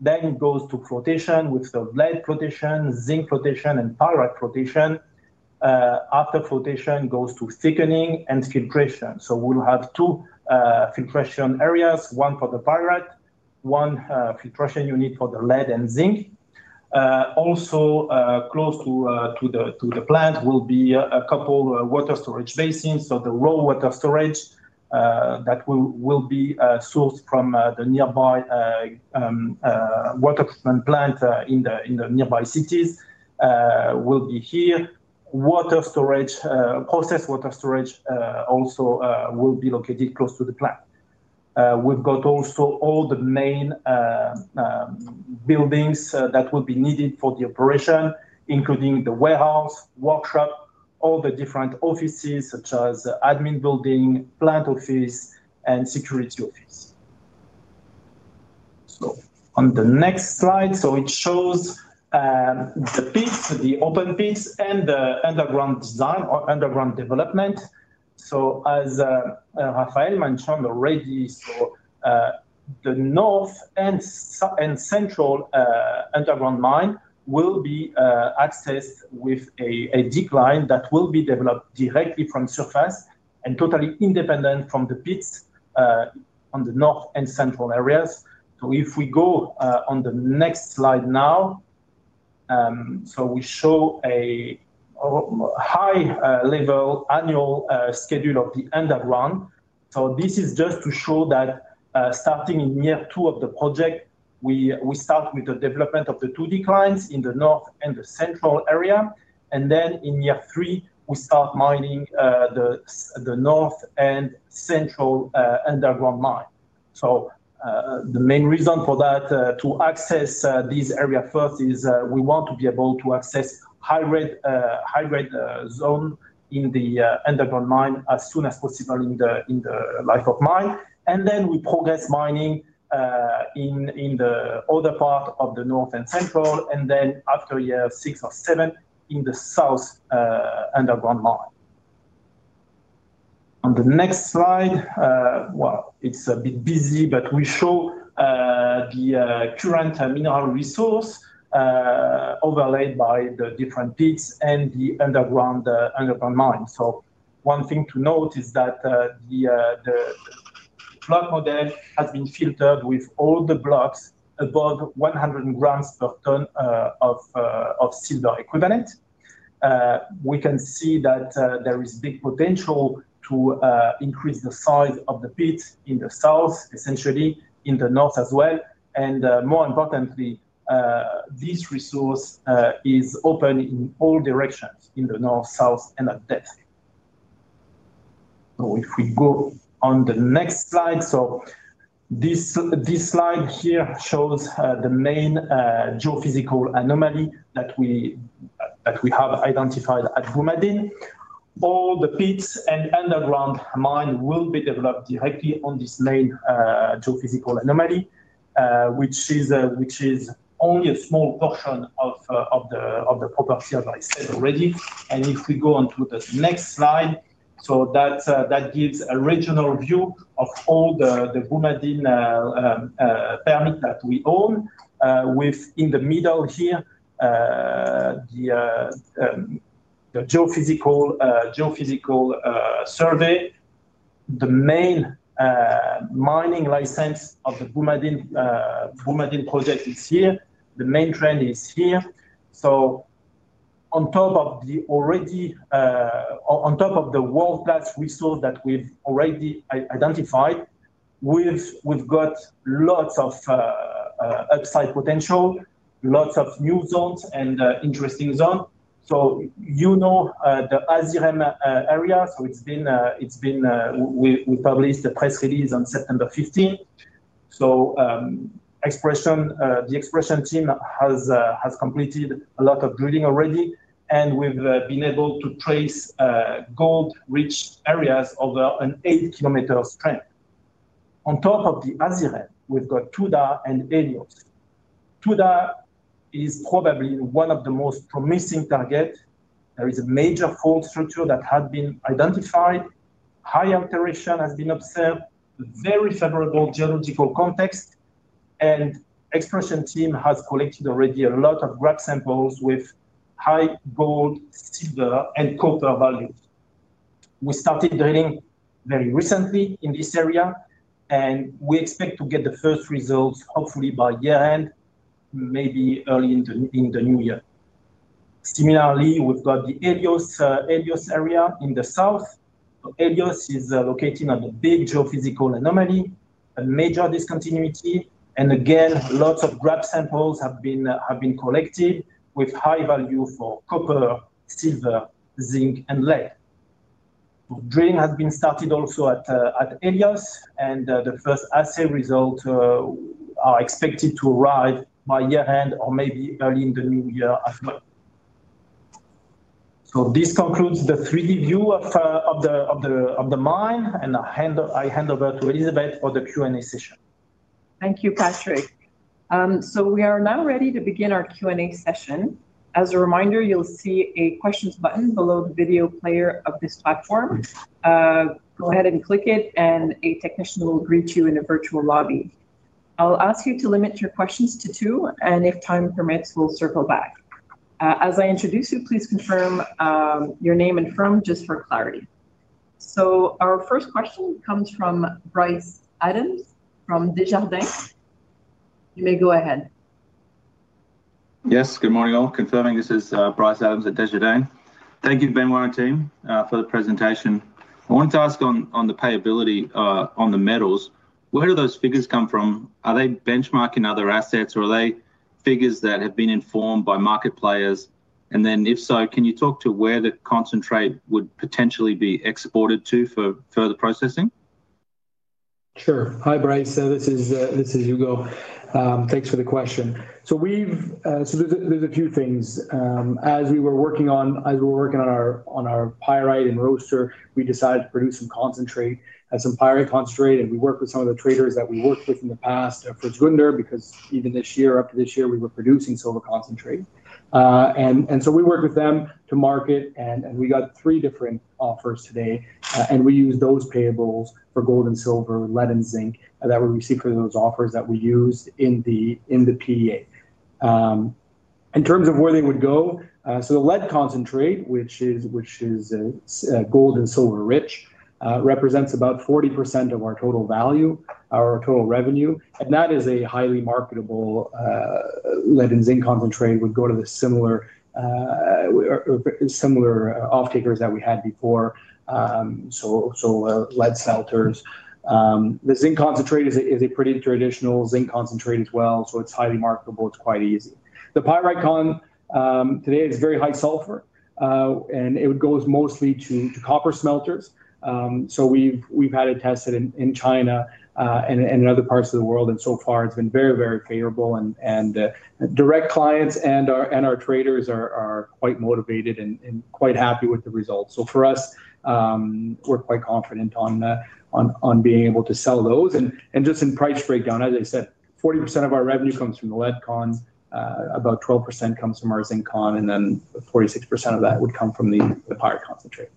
Then it goes to flotation with the lead flotation, zinc flotation, and pyrite flotation. After flotation goes to thickening and filtration. So we'll have two filtration areas, one for the pyrite, one filtration unit for the lead and zinc. Also close to the plant will be a couple of water storage basins. So the ROM water storage that will be sourced from the nearby water treatment plant in the nearby cities will be here. Processed water storage also will be located close to the plant. We've got also all the main buildings that will be needed for the operation, including the warehouse, workshop, all the different offices such as admin building, plant office, and security office. So on the next slide, it shows the pits, the open pits, and the underground design or underground development. So as Raphaël mentioned already, the North and Central underground mine will be accessed with a decline that will be developed directly from surface and totally independent from the pits on the North and Central areas. So if we go on the next slide now, we show a high-level annual schedule of the underground. So this is just to show that starting in year two of the project, we start with the development of the two declines in the north and the central area. And then in year three, we start mining the north and central underground mine. So the main reason for that to access this area first is we want to be able to access high-grade zone in the underground mine as soon as possible in the life of mine. And then we progress mining in the other part of the North and Central, and then after year six or seven in the South underground mine. On the next slide, well, it's a bit busy, but we show the current mineral resource overlaid by the different pits and the underground mine. So one thing to note is that the block model has been filtered with all the blocks above 100 grams per tonne of silver equivalent. We can see that there is big potential to increase the size of the pits in the south, essentially in the North as well. And more importantly, this resource is open in all directions in the North, South, and at depth. So if we go on the next slide, this slide here shows the main geophysical anomaly that we have identified at Boumadine. All the pits and underground mine will be developed directly on this main geophysical anomaly, which is only a small portion of the property as I said already. And if we go on to the next slide, that gives a regional view of all the Boumadine permit that we own. Within the middle here the geophysical survey. The main mining license of the Boumadine project is here. The main trend is here. On top of the world-class resource that we've already identified. We've got lots of upside potential, lots of new zones and interesting zones. So you know the Asirem area, so it's been. We published a press release on September 15th. So the exploration team has completed a lot of drilling already, and we've been able to trace gold-rich areas over an 8 km strike. On top of the Asirem, we've got Tuda and Elios. Tuda is probably one of the most promising targets. There is a major fault structure that had been identified. High alteration has been observed, very favorable geological context, and the exploration team has collected already a lot of grab samples with high gold, silver, and copper values. We started drilling very recently in this area, and we expect to get the first results, hopefully by year-end, maybe early in the new year. Similarly, we've got the Elios area in the South. Elios is located on a big geophysical anomaly, a major discontinuity, and again, lots of grab samples have been collected with high value for copper, silver, zinc, and lead. Drilling has been started also at Elios, and the first assay results are expected to arrive by year-end or maybe early in the new year as well. So this concludes the 3D view of the mine, and I hand over to Elizabeth for the Q&A session. Thank you, Patrick. So we are now ready to begin our Q&A session. As a reminder, you'll see a questions button below the video player of this platform. Go ahead and click it, and a technician will greet you in a virtual lobby. I'll ask you to limit your questions to two, and if time permits, we'll circle back. As I introduce you, please confirm your name and firm just for clarity. So our first question comes from Bryce Adams from Desjardins. You may go ahead. Yes, good morning all. Confirming this is Bryce Adams at Desjardins. Thank you, Benoit and team, for the presentation. I wanted to ask on the payability on the metals, where do those figures come from? Are they benchmarking other assets, or are they figures that have been informed by market players? And then if so, can you talk to where the concentrate would potentially be exported to for further processing? Sure. Hi, Bryce. This is Ugo. Thanks for the question. So there's a few things. As we were working on our pyrite and roaster, we decided to produce some concentrate, some pyrite concentrate, and we worked with some of the traders that we worked with in the past for Zgounder because even this year, up to this year, we were producing silver concentrate. And so we worked with them to market, and we got three different offers today, and we used those payables for gold and silver, lead and zinc that we received for those offers that we used in the PEA. In terms of where they would go, so the lead concentrate, which is gold and silver-rich, represents about 40% of our total value, our total revenue, and that is a highly marketable lead and zinc concentrate would go to the similar off-takers that we had before. So lead smelters. The zinc concentrate is a pretty traditional zinc concentrate as well, so it's highly marketable. It's quite easy. The pyrite con today is very high sulfur. And it goes mostly to copper smelters. So we've had it tested in China and in other parts of the world, and so far, it's been very, very favorable, and direct clients and our traders are quite motivated and quite happy with the results. So for us, we're quite confident on being able to sell those. And just in price breakdown, as I said, 40% of our revenue comes from the lead con, about 12% comes from our zinc con, and then 46% of that would come from the pyrite concentrate.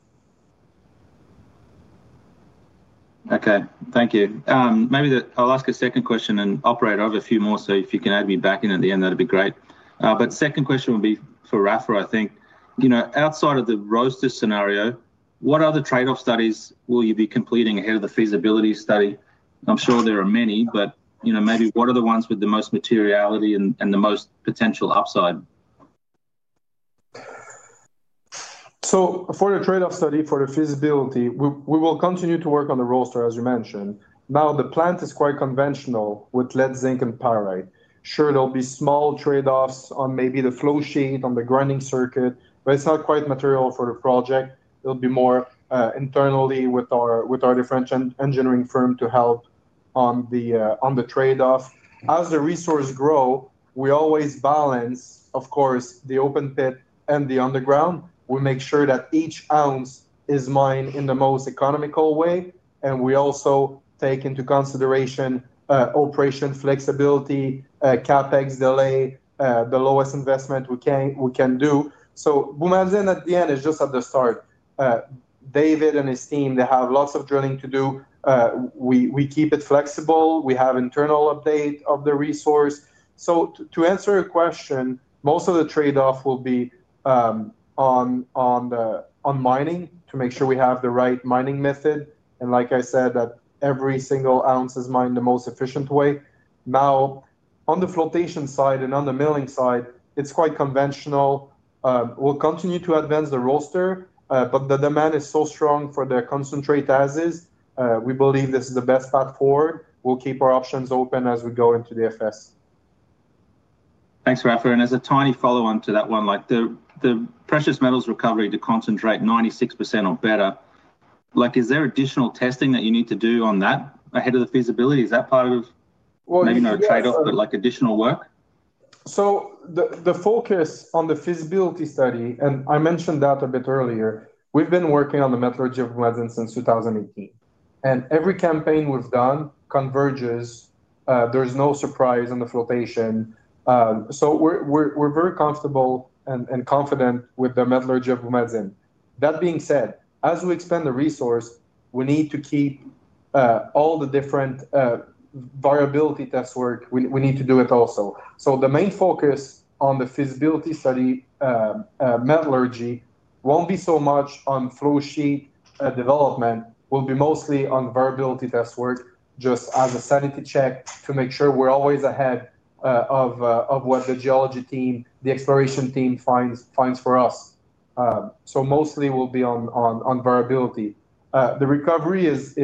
Okay. Thank you. Maybe I'll ask a second question, and I'll probably have a few more, so if you can add me back in at the end, that'd be great. But second question would be for Raphaël, I think. Outside of the roaster scenario, what other trade-off studies will you be completing ahead of the feasibility study? I'm sure there are many, but maybe what are the ones with the most materiality and the most potential upside? So for the trade-off study for the feasibility, we will continue to work on the roaster, as you mentioned. Now, the plant is quite conventional with lead, zinc, and pyrite. Sure, there'll be small trade-offs on maybe the flow sheet, on the grinding circuit, but it's not quite material for the project. It'll be more internally with our different engineering firm to help on the trade-off. As the resource grows, we always balance, of course, the open pit and the underground. We make sure that each ounce is mined in the most economical way, and we also take into consideration operation flexibility, CapEx delay, the lowest investment we can do. So Boumadine at the end is just at the start. David and his team, they have lots of drilling to do. We keep it flexible. We have internal updates of the resource. So to answer your question, most of the trade-off will be on mining to make sure we have the right mining method. And like I said, that every single ounce is mined the most efficient way. Now, on the flotation side and on the milling side, it's quite conventional. We'll continue to advance the roaster, but the demand is so strong for the concentrate as is. We believe this is the best path forward. We'll keep our options open as we go into the FS. Thanks, Raphaël. And as a tiny follow-on to that one, the precious metals recovery, the concentrate, 96% or better, is there additional testing that you need to do on that ahead of the feasibility? Is that part of. Maybe not a trade-off, but additional work? So the focus on the feasibility study, and I mentioned that a bit earlier, we've been working on the metallurgy of Boumadine since 2018. And every campaign we've done converges. There's no surprise on the flotation. So we're very comfortable and confident with the metallurgy of Boumadine. That being said, as we expand the resource, we need to keep all the different variability test work. We need to do it also. So the main focus on the feasibility study metallurgy won't be so much on flow sheet development. We'll be mostly on variability test work, just as a sanity check to make sure we're always ahead of what the geology team, the exploration team finds for us. So mostly we'll be on variability. The recovery is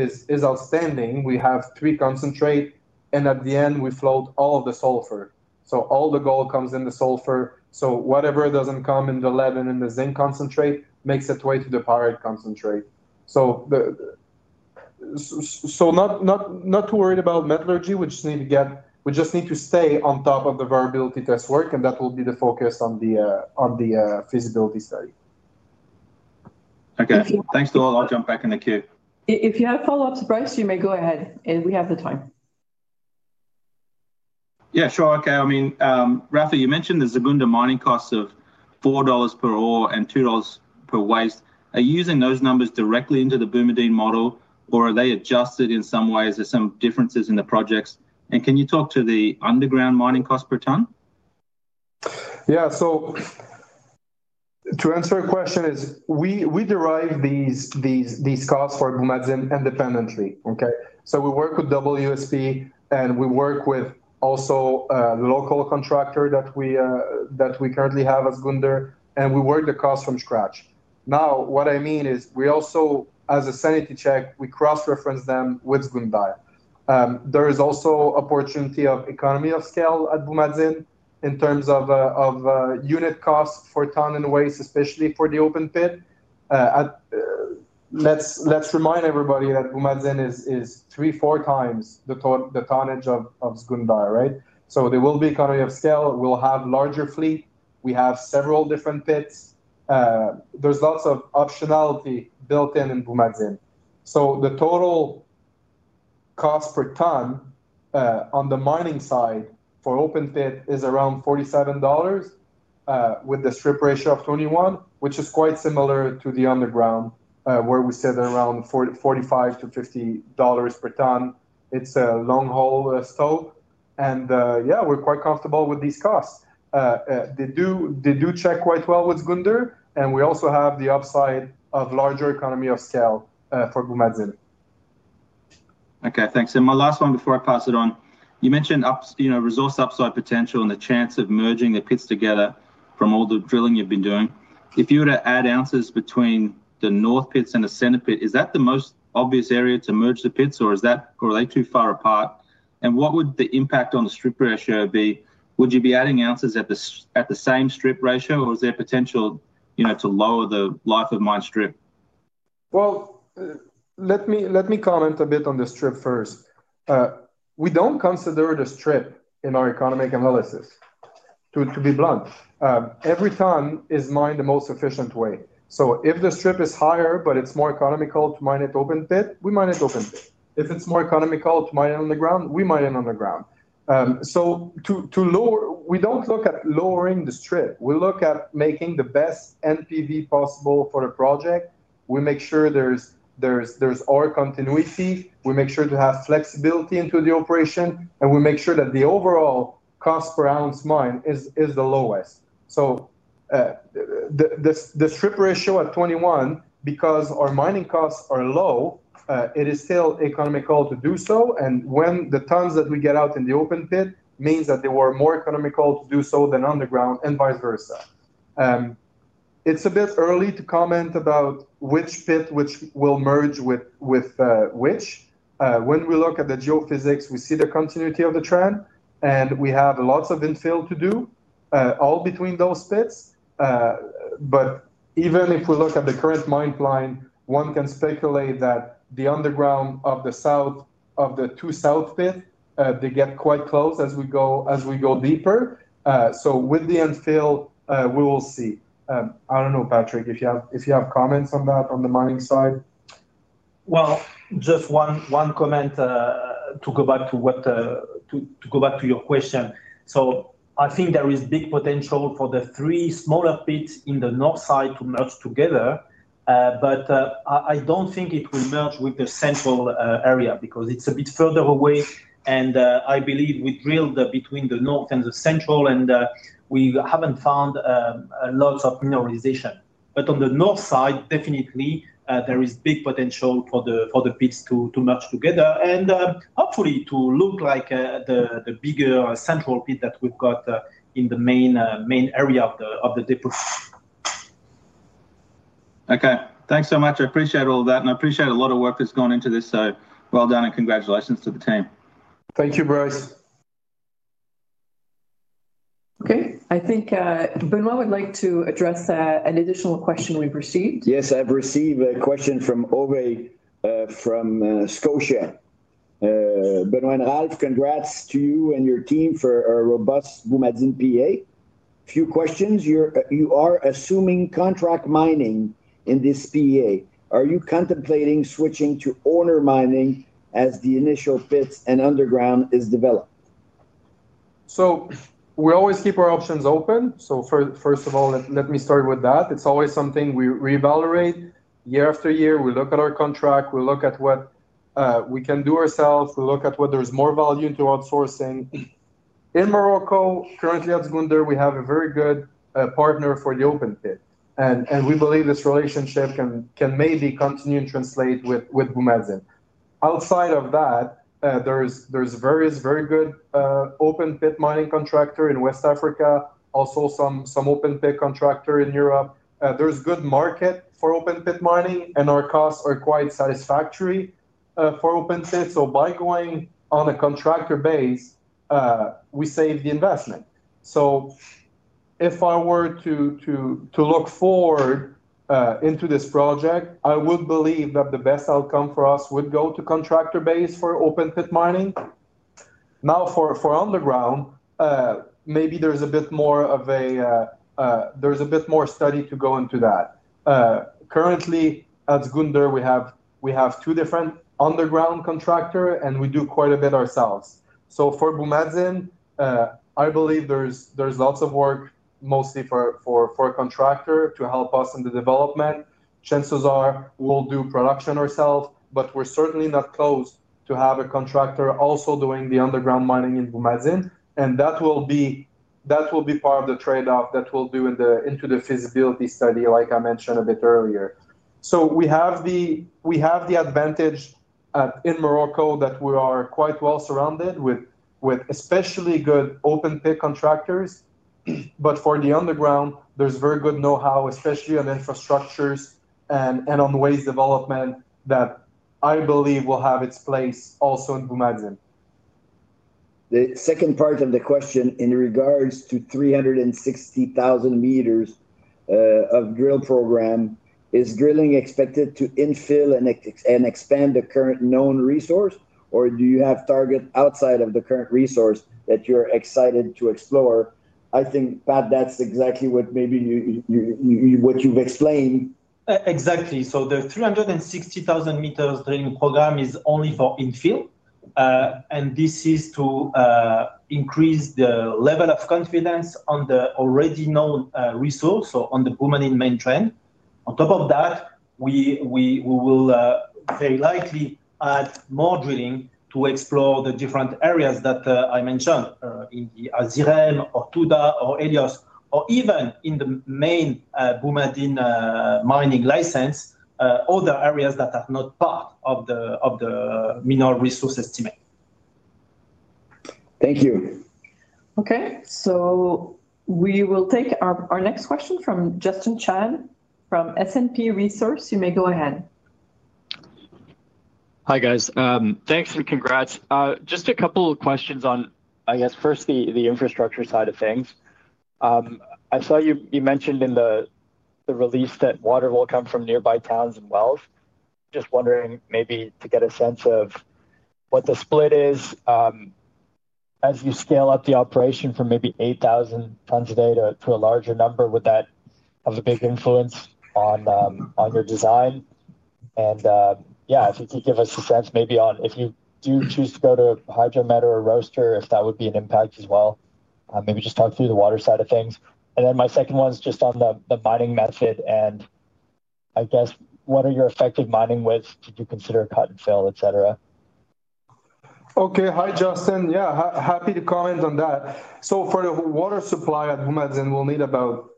outstanding. We have three concentrates, and at the end, we flowed all of the sulfur. So all the gold comes in the sulfur. So whatever doesn't come in the lead and in the zinc concentrate makes its way to the pyrite concentrate. So. Not to worry about metallurgy. We just need to stay on top of the variability test work, and that will be the focus on the feasibility study. Okay. Thanks to all. I'll jump back in the queue. If you have follow-ups, Bryce, you may go ahead, and we have the time. Yeah, sure. Okay. I mean, Raphaël, you mentioned the Zgounder mining costs of $4 per ore and $2 per waste. Are you using those numbers directly into the Boumadine model, or are they adjusted in some ways? Are there some differences in the projects? And can you talk to the underground mining cost per ton? Yeah. So. To answer your question, we derive these costs for Boumadine independently. Okay? So we work with WSP, and we work with also a local contractor that we currently have at Zgounder, and we work the cost from scratch. Now, what I mean is we also, as a sanity check, we cross-reference them with Zgounder. There is also an opportunity of economy of scale at Boumadine in terms of unit costs per ton and waste, especially for the open pit. Let's remind everybody that Boumadine is 3x, 4x the tonnage of Zgounder, right? So there will be economy of scale. We'll have a larger fleet. We have several different pits. There's lots of optionality built in in Boumadine. So the total cost per ton on the mining side for open pit is around $47 with the strip ratio of 21, which is quite similar to the underground where we sit around $45-$50 per ton. It's a long-haul stope. And yeah, we're quite comfortable with these costs. They do check quite well with Zgounder, and we also have the upside of larger economy of scale for Boumadine. Okay. Thanks. And my last one before I pass it on. You mentioned resource upside potential and the chance of merging the pits together from all the drilling you've been doing. If you were to add ounces between the North pits and the Center pit, is that the most obvious area to merge the pits, or is that probably too far apart? And what would the impact on the strip ratio be? Would you be adding ounces at the same strip ratio, or is there potential to lower the life of mine strip? Well, let me comment a bit on the strip first. We don't consider the strip in our economic analysis. To be blunt. Every ton is mined the most efficient way. So if the strip is higher, but it's more economical to mine it open pit, we mine it open pit. If it's more economical to mine it underground, we mine it underground. We don't look at lowering the strip. We look at making the best NPV possible for the project. We make sure there's continuity. We make sure to have flexibility into the operation, and we make sure that the overall cost per ounce mine is the lowest. The strip ratio at 21, because our mining costs are low, it is still economical to do so. And when the tons that we get out in the open pit means that they were more economical to do so than underground and vice versa. It's a bit early to comment about which pit with which will merge with which. When we look at the geophysics, we see the continuity of the trend, and we have lots of infill to do all between those pits. But even if we look at the current mine plan, one can speculate that the underground of the South of the two South pits, they get quite close as we go deeper. So with the infill, we will see. I don't know, Patrick, if you have comments on that on the mining side. Well, just one comment to go back to your question. I think there is big potential for the three smaller pits in the North side to merge together, but I don't think it will merge with the central area because it's a bit further away. And I believe we drilled between the North and the Central, and we haven't found lots of mineralization. But on the north side, definitely, there is big potential for the pits to merge together and hopefully to look like the bigger Central pit that we've got in the main area of the deposit. Okay. Thanks so much. I appreciate all of that, and I appreciate a lot of work that's gone into this. Well done and congratulations to the team. Thank you, Bryce. Okay. I think Benoit would like to address an additional question we've received. Yes, I've received a question from Ovais from Scotia. Benoit and Raphaël, congrats to you and your team for a robust Boumadine PEA. Few questions. You are assuming contract mining in this PEA. Are you contemplating switching to owner mining as the initial pits and underground is developed? So we always keep our options open. So first of all, let me start with that. It's always something we reevaluate year-after-year. We look at our contract. We look at what we can do ourselves. We look at whether there's more value into outsourcing. In Morocco, currently at Zgounder, we have a very good partner for the open pit. And we believe this relationship can maybe continue and translate with Boumadine. Outside of that. There's various very good open pit mining contractors in West Africa, also some open pit contractors in Europe. There's good market for open pit mining, and our costs are quite satisfactory for open pits. So by going on a contractor base, we save the investment. So. If I were to. Look forward. Into this project, I would believe that the best outcome for us would go to contractor base for open pit mining. Now, for underground. Maybe there's a bit more study to go into that. Currently, at Zgounder, we have two different underground contractors, and we do quite a bit ourselves. So for Boumadine. I believe there's lots of work, mostly for a contractor, to help us in the development. Chances are we'll do production ourselves, but we're certainly not close to having a contractor also doing the underground mining in Boumadine. And that will be. Part of the trade-off that we'll do into the feasibility study, like I mentioned a bit earlier. So we have the. Advantage in Morocco that we are quite well surrounded with. Especially good open pit contractors. But for the underground, there's very good know-how, especially on infrastructures and on waste development that I believe will have its place also in Boumadine. The second part of the question in regards to 360,000 m. Of drill program, is drilling expected to infill and expand the current known resource, or do you have targets outside of the current resource that you're excited to explore? I think, Pat, that's exactly what maybe. You've explained. Exactly. So the 360,000 m drilling program is only for infill. And this is to. Increase the level of confidence on the already known resource or on the Boumadine main trend. On top of that. We will. Very likely add more drilling to explore the different areas that I mentioned in the Asirem, or Tuda, or Elios, or even in the main Boumadine mining license, all the areas that are not part of the. Mineral Resource Estimate. Thank you. Okay. So. We will take our next question from Justin Chan from SCP Resource. You may go ahead. Hi, guys. Thanks and congrats. Just a couple of questions on, I guess, first, the infrastructure side of things. I saw you mentioned in the release that water will come from nearby towns and wells. Just wondering maybe to get a sense of what the split is. As you scale up the operation from maybe 8,000 tons a day to a larger number, would that have a big influence on your design? And yeah, if you could give us a sense maybe on if you do choose to go to hydromet or roaster, if that would be an impact as well. Maybe just talk through the water side of things. And then my second one is just on the mining method. And I guess, what are your effective mining widths? Did you consider cut and fill, etc.? Okay. Hi, Justin. Yeah, happy to comment on that. So for the water supply at Boumadine, we'll need about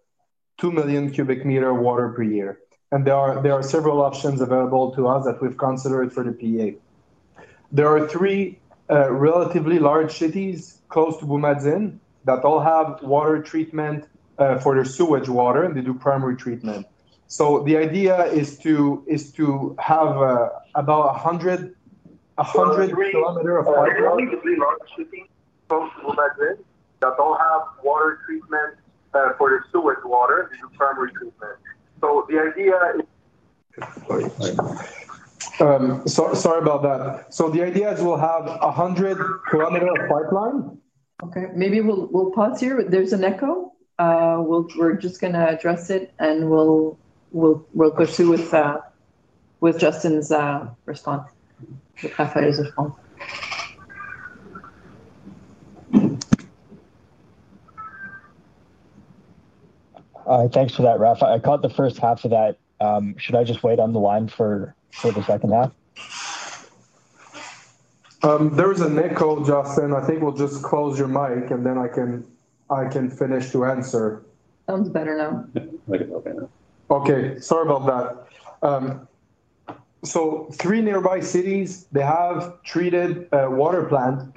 2 million cu m of water per year. And there are several options available to us that we've considered for the PEA. There are three relatively large cities close to Boumadine that all have water treatment for their sewage water, and they do primary treatment. So the idea is to have about 100 km of pipeline. Okay. Maybe we'll pause here. There's an echo. We're just going to address it, and we'll pursue with Justin's response. Raphaël is on the phone. All right. Thanks for that, Raphaël. I caught the first half of that. Should I just wait on the line for the second half? There is an echo, Justin. I think we'll just close your mic, and then I can finish to answer. Sounds better now. Okay. Sorry about that. So three nearby cities, they have treated water plants.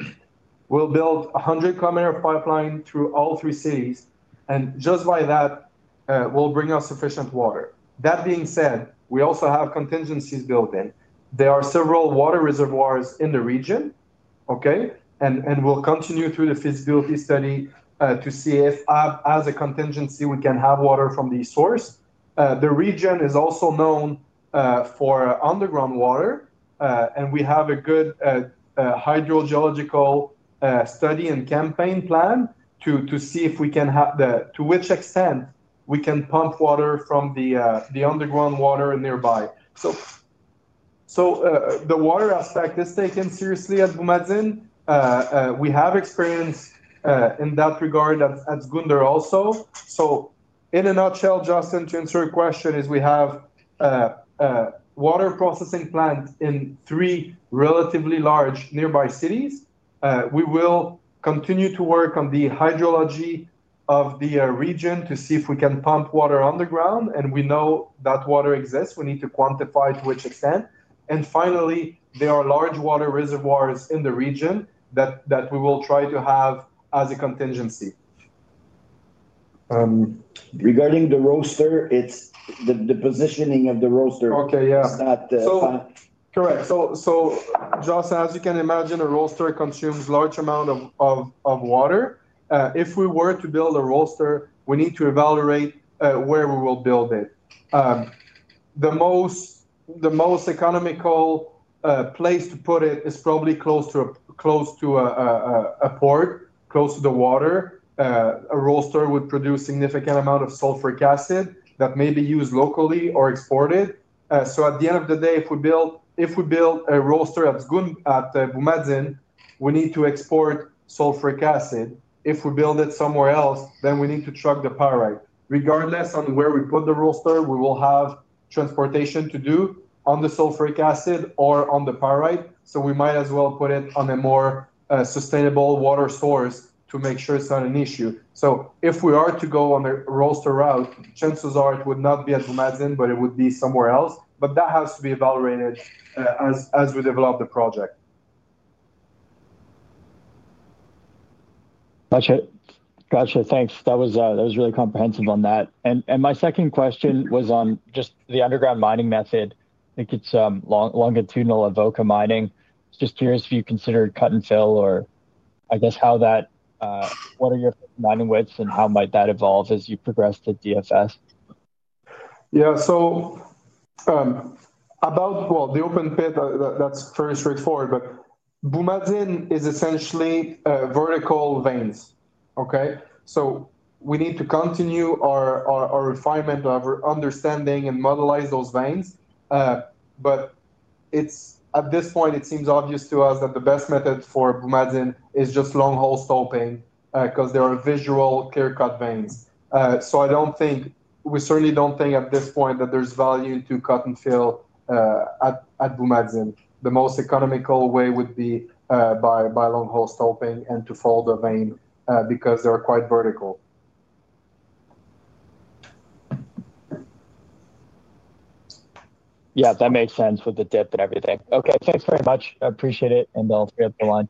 We'll build a 100 km pipeline through all three cities. And just by that we'll bring us sufficient water. That being said, we also have contingencies built in. There are several water reservoirs in the region. Okay? And we'll continue through the feasibility study to see if, as a contingency, we can have water from the source. The region is also known for underground water, and we have a good hydrogeological study and campaign plan to see if we can have to which extent we can pump water from the underground water nearby. So the water aspect is taken seriously at Boumadine. We have experience in that regard at Zgounder also. So in a nutshell, Justin, to answer your question, is we have a water processing plant in three relatively large nearby cities. We will continue to work on the hydrology of the region to see if we can pump water underground. And we know that water exists. We need to quantify to which extent. And finally, there are large water reservoirs in the region that we will try to have as a contingency. Regarding the roaster, it's the positioning of the roaster. Okay. Yeah. Correct. So, Justin, as you can imagine, a roaster consumes a large amount of water. If we were to build a roaster, we need to evaluate where we will build it. The most economical place to put it is probably close to a port, close to the water. A roaster would produce a significant amount of sulfuric acid that may be used locally or exported. So at the end of the day, if we build a roaster at Boumadine, we need to export sulfuric acid. If we build it somewhere else, then we need to truck the pyrite. Regardless of where we put the roaster, we will have transportation to do on the sulfuric acid or on the pyrite. So we might as well put it on a more sustainable water source to make sure it's not an issue. So if we are to go on the roaster route, chances are it would not be at Boumadine, but it would be somewhere else. But that has to be evaluated as we develop the project. Gotcha. Thanks. That was really comprehensive on that. And my second question was on just the underground mining method. I think it's longitudinal Avoca mining. Just curious if you considered cut and fill or, I guess, how that. What are your mining widths and how might that evolve as you progress to DFS? Yeah. So. About, well, the open pit, that's fairly straightforward, but Boumadine is essentially vertical veins. Okay? So we need to continue our refinement of our understanding and modelize those veins. But at this point, it seems obvious to us that the best method for Boumadine is just long-hole stoping because there are visually clear-cut veins. So I don't think we certainly don't think at this point that there's value in cut and fill at Boumadine. The most economical way would be by long-hole stoping and to follow the vein because they're quite vertical. Yeah, that makes sense with the depth and everything. Okay. Thanks very much. Appreciate it. And I'll stay on the line.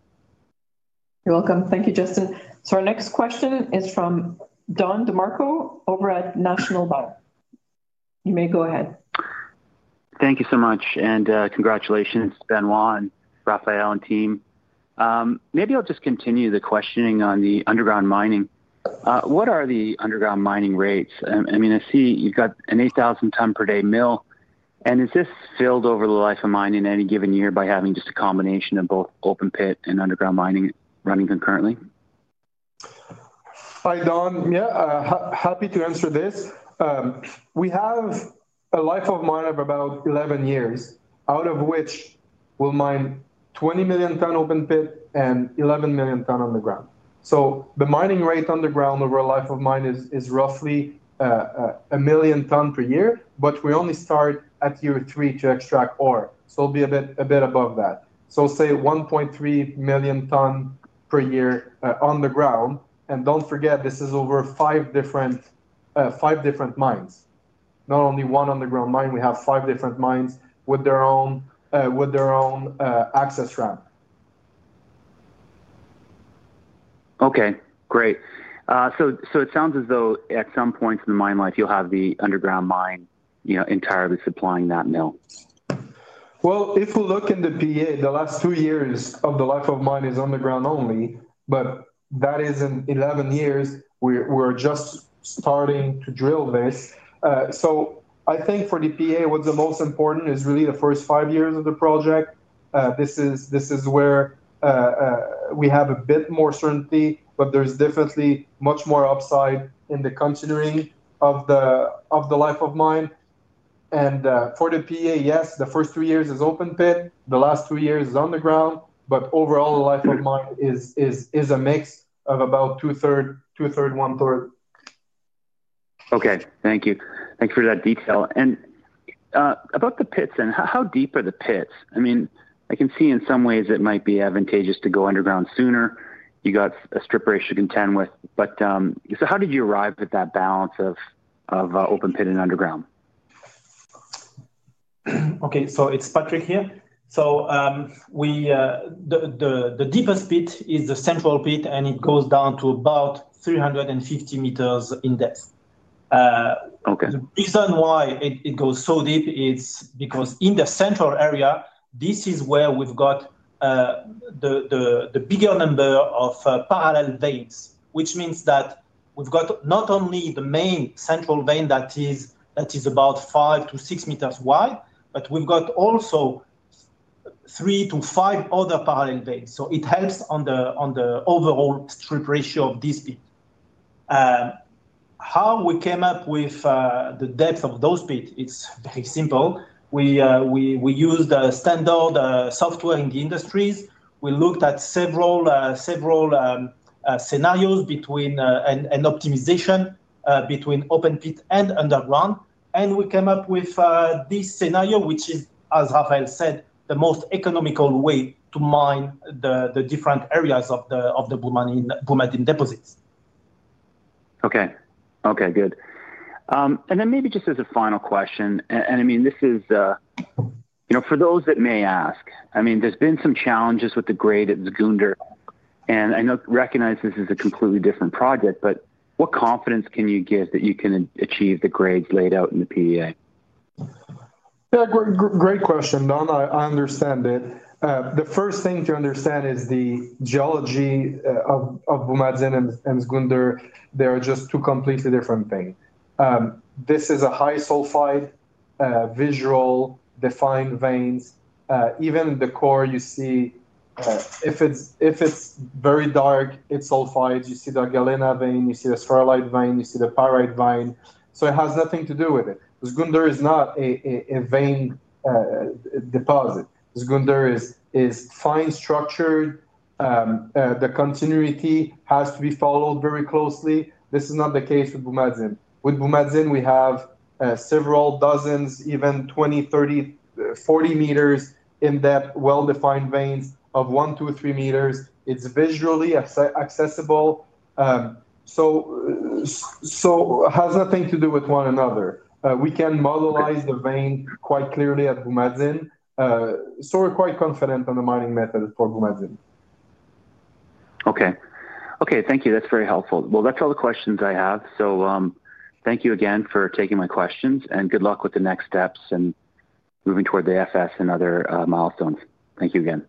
You're welcome. Thank you, Justin. So our next question is from Don DeMarco over at National Bank. You may go ahead. Thank you so much. And congratulations, Benoit and Raphaël and team. Maybe I'll just continue the questioning on the underground mining. What are the underground mining rates? I mean, I see you've got an 8,000-ton-per-day mill. And is this filled over the life of mining in any given year by having just a combination of both open pit and underground mining running concurrently? Hi, Don. Yeah, happy to answer this. We have a life of mine of about 11 years, out of which we'll mine 20 million-ton open pit and 11 million-ton underground. So the mining rate underground over a life of mine is roughly. A million ton per year, but we only start at year three to extract ore. So it'll be a bit above that. So say 1.3 million ton per year underground. And don't forget, this is over five different mines. Not only one underground mine. We have five different mines with their own access ramp. Okay. Great. So it sounds as though at some point in the mine life, you'll have the underground mine entirely supplying that mill. Well, if we look in the PEA, the last two years of the life of mine is underground only, but that is in 11 years. We're just starting to drill this. So I think for the PEA, what's the most important is really the first five years of the project. This is where we have a bit more certainty, but there's definitely much more upside in the continuing of the life of mine. And for the PEA, yes, the first three years is open pit. The last three years is underground. But overall, the life of mine is a mix of about 2/3, 1/3. Okay. Thank you. Thanks for that detail. And about the pits, then, how deep are the pits? I mean, I can see in some ways it might be advantageous to go underground sooner. You got a strip rate you can tend with. But so how did you arrive at that balance of open pit and underground? Okay. So it's Patrick here. The deepest pit is the central pit, and it goes down to about 350 m in depth. The reason why it goes so deep is because in the Central area, this is where we've got the bigger number of parallel veins, which means that we've got not only the main central vein that is about 5-6 m wide, but we've got also three to five other parallel veins. So it helps on the overall strip ratio of this pit. How we came up with the depth of those pits, it's very simple. We used standard software in the industries. We looked at several scenarios. And optimization between open pit and underground. And we came up with this scenario, which is, as Raphaël said, the most economical way to mine the different areas of the Boumadine deposits. Okay. Okay. Good. And then maybe just as a final question, and I mean, this is for those that may ask, I mean, there's been some challenges with the grade at Zgounder. And I recognize this is a completely different project, but what confidence can you give that you can achieve the grades laid out in the PEA? Great question, Don. I understand it. The first thing to understand is the geology of Boumadine and Zgounder. They are just two completely different things. This is a high-sulfide, visual, defined vein. Even in the core, you see. If it's very dark, it's sulfide. You see the Galena vein. You see the ferrite vein. You see the pyrite vein. So it has nothing to do with it. Zgounder is not a vein deposit. Zgounder is fine-structured. The continuity has to be followed very closely. This is not the case with Boumadine. With Boumadine, we have several dozens, even 20, 30, 40 m in depth, well-defined veins of 1, 2, 3 m. It's visually accessible. So it has nothing to do with one another. We can modelize the vein quite clearly at Boumadine. So we're quite confident on the mining method for Boumadine. Okay. Thank you. That's very helpful. That's all the questions I have. So thank you again for taking my questions, and good luck with the next steps and moving toward the FS and other milestones. Thank you again.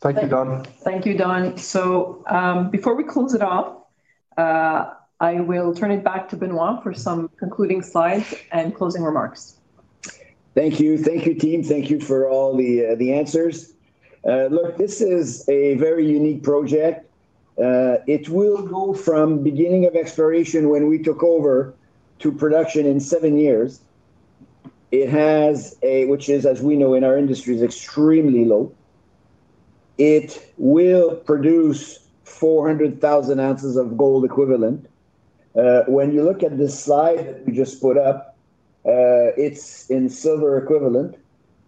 Thank you, Don. So before we close it off, I will turn it back to Benoit for some concluding slides and closing remarks. Thank you. Thank you, team. Thank you for all the answers. Look, this is a very unique project. It will go from beginning of exploration when we took over to production in seven years, which is, as we know in our industry, extremely low. It will produce 400,000 ounces of gold equivalent. When you look at this slide that we just put up, it's in silver equivalent.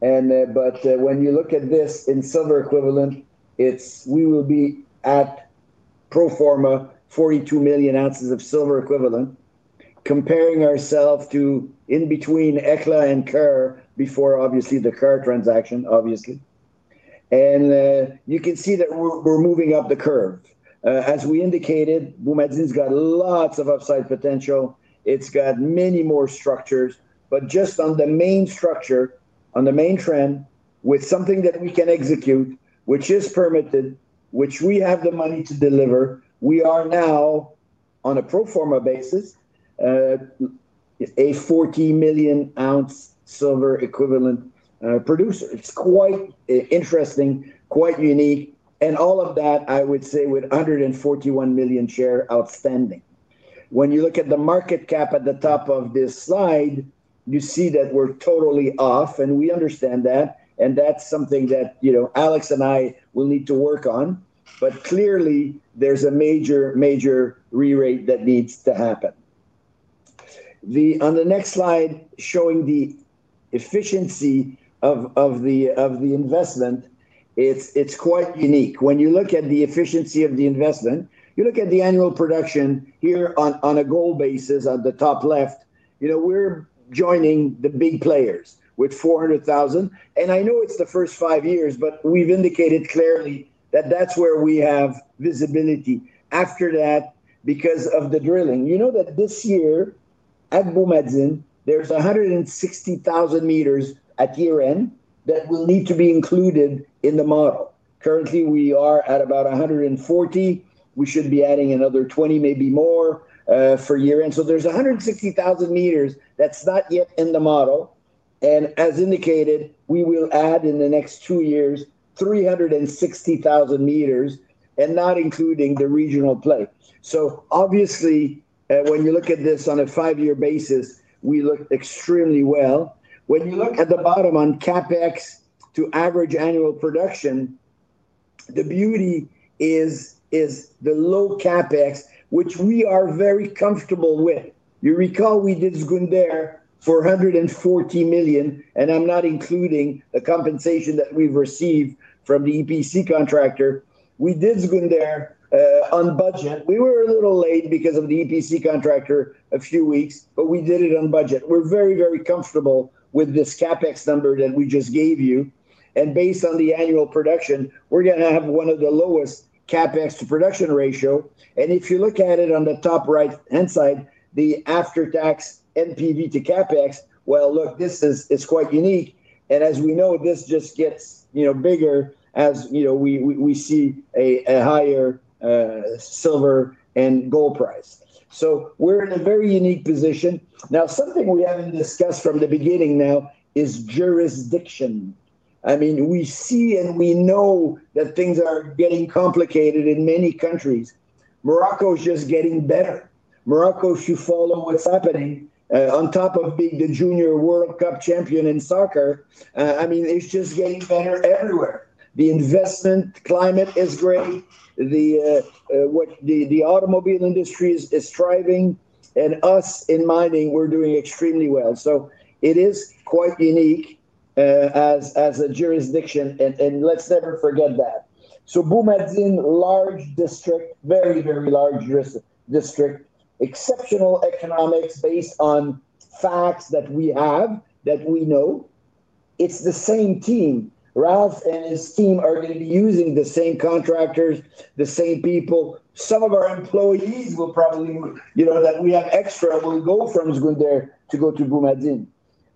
But when you look at this in silver equivalent, we will be at pro forma 42 million ounces of silver equivalent, comparing ourselves to in between Hecla and Coeur before, obviously, the Coeur transaction, obviously. And you can see that we're moving up the curve. As we indicated, Boumadine's got lots of upside potential. It's got many more structures. But just on the main structure, on the main trend, with something that we can execute, which is permitted, which we have the money to deliver, we are now on a pro forma basis a 40 million-ounce silver equivalent producer. It's quite interesting, quite unique. And all of that, I would say, with 141 million shares outstanding. When you look at the market cap at the top of this slide, you see that we're totally off, and we understand that. And that's something that Alex and I will need to work on. But clearly, there's a major, major re-rate that needs to happen. On the next slide, showing the efficiency of the investment, it's quite unique. When you look at the efficiency of the investment, you look at the annual production here on a gold basis on the top left, we're joining the big players with 400,000. And I know it's the first five years, but we've indicated clearly that that's where we have visibility. After that, because of the drilling, you know that this year at Boumadine, there's 160,000 m at year-end that will need to be included in the model. Currently, we are at about 140,000 m. We should be adding another 20,000 m, maybe more, for year-end. So there's 160,000 m that's not yet in the model. And as indicated, we will add in the next two years, 360,000 m and not including the regional play. So obviously, when you look at this on a five-year basis, we look extremely well. When you look at the bottom on CapEx to average annual production. The beauty is. The low CapEx, which we are very comfortable with. You recall we did Zgounder for $140 million, and I'm not including the compensation that we've received from the EPC contractor. We did Zgounder. On budget. We were a little late because of the EPC contractor a few weeks, but we did it on budget. We're very, very comfortable with this CapEx number that we just gave you. And based on the annual production, we're going to have one of the lowest CapEx to production ratio. And if you look at it on the top right-hand side, the after-tax NPV to CapEx, well, look, this is quite unique. And as we know, this just gets bigger as we see a higher. Silver and gold price. So we're in a very unique position. Now, something we haven't discussed from the beginning now is jurisdiction. I mean, we see and we know that things are getting complicated in many countries. Morocco is just getting better. Morocco, if you follow what's happening on top of being the Junior World Cup Champion in soccer, I mean, it's just getting better everywhere. The investment climate is great. The. Automobile industry is thriving. And us in mining, we're doing extremely well. So it is quite unique. As a jurisdiction, and let's never forget that. So Boumadine, large district, very, very large district, exceptional economics based on. Facts that we have, that we know. It's the same team. Raphaël and his team are going to be using the same contractors, the same people. Some of our employees will probably. That we have extra will go from Zgounder to go to Boumadine.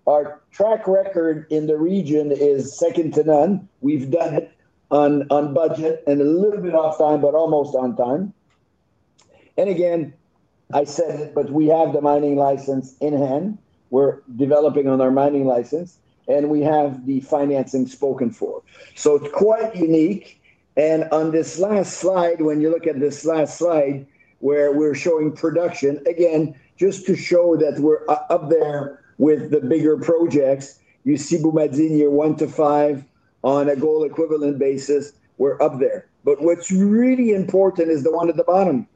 Our track record in the region is second to none. We've done it. On budget and a little bit off time, but almost on time. And again, I said it, but we have the mining license in hand. We're developing on our mining license, and we have the financing spoken for. So it's quite unique. And on this last slide, when you look at this last slide where we're showing production, again, just to show that we're up there with the bigger projects, you see Boumadine year one to five on a gold equivalent basis, we're up there. But what's really important is the one at the bottom.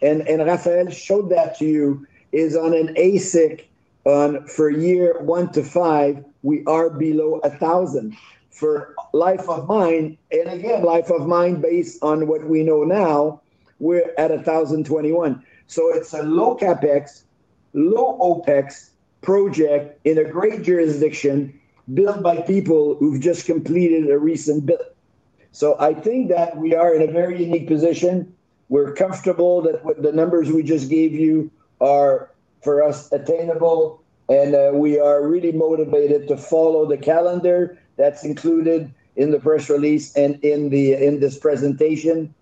And Raphaël showed that to you, is on an AISC for year one to five, we are below $1,000 for life of mine. And again, life of mine based on what we know now. We're at $1,021. So it's a low CapEx. Low OpEx project in a great jurisdiction built by people who've just completed a recent build. So I think that we are in a very unique position. We're comfortable that the numbers we just gave you are for us attainable, and we are really motivated to follow the calendar that's included in the press release and in this presentation.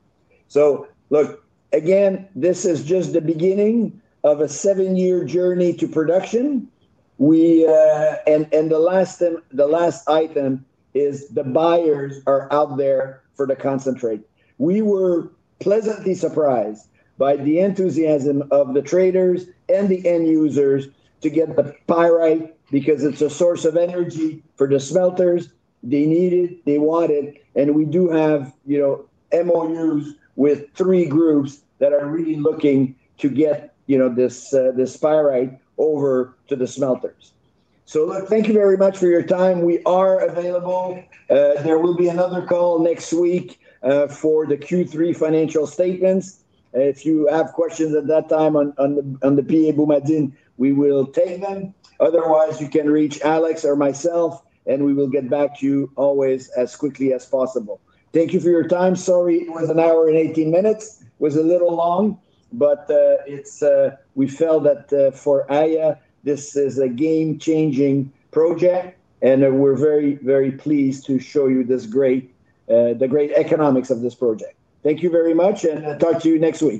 So look, again, this is just the beginning of a seven-year journey to production, and the last item is the buyers are out there for the concentrate. We were pleasantly surprised by the enthusiasm of the traders and the end users to get the pyrite because it's a source of energy for the smelters. They need it. They want it, and we do have MOUs with three groups that are really looking to get this pyrite over to the smelters. So look, thank you very much for your time. We are available. There will be another call next week for the Q3 financial statements. If you have questions at that time on the PEA Boumadine, we will take them. Otherwise, you can reach Alex or myself, and we will get back to you always as quickly as possible. Thank you for your time. Sorry, it was an hour and 18 minutes. It was a little long, but we felt that for AYA, this is a game-changing project, and we're very, very pleased to show you the great economics of this project. Thank you very much, and talk to you next week.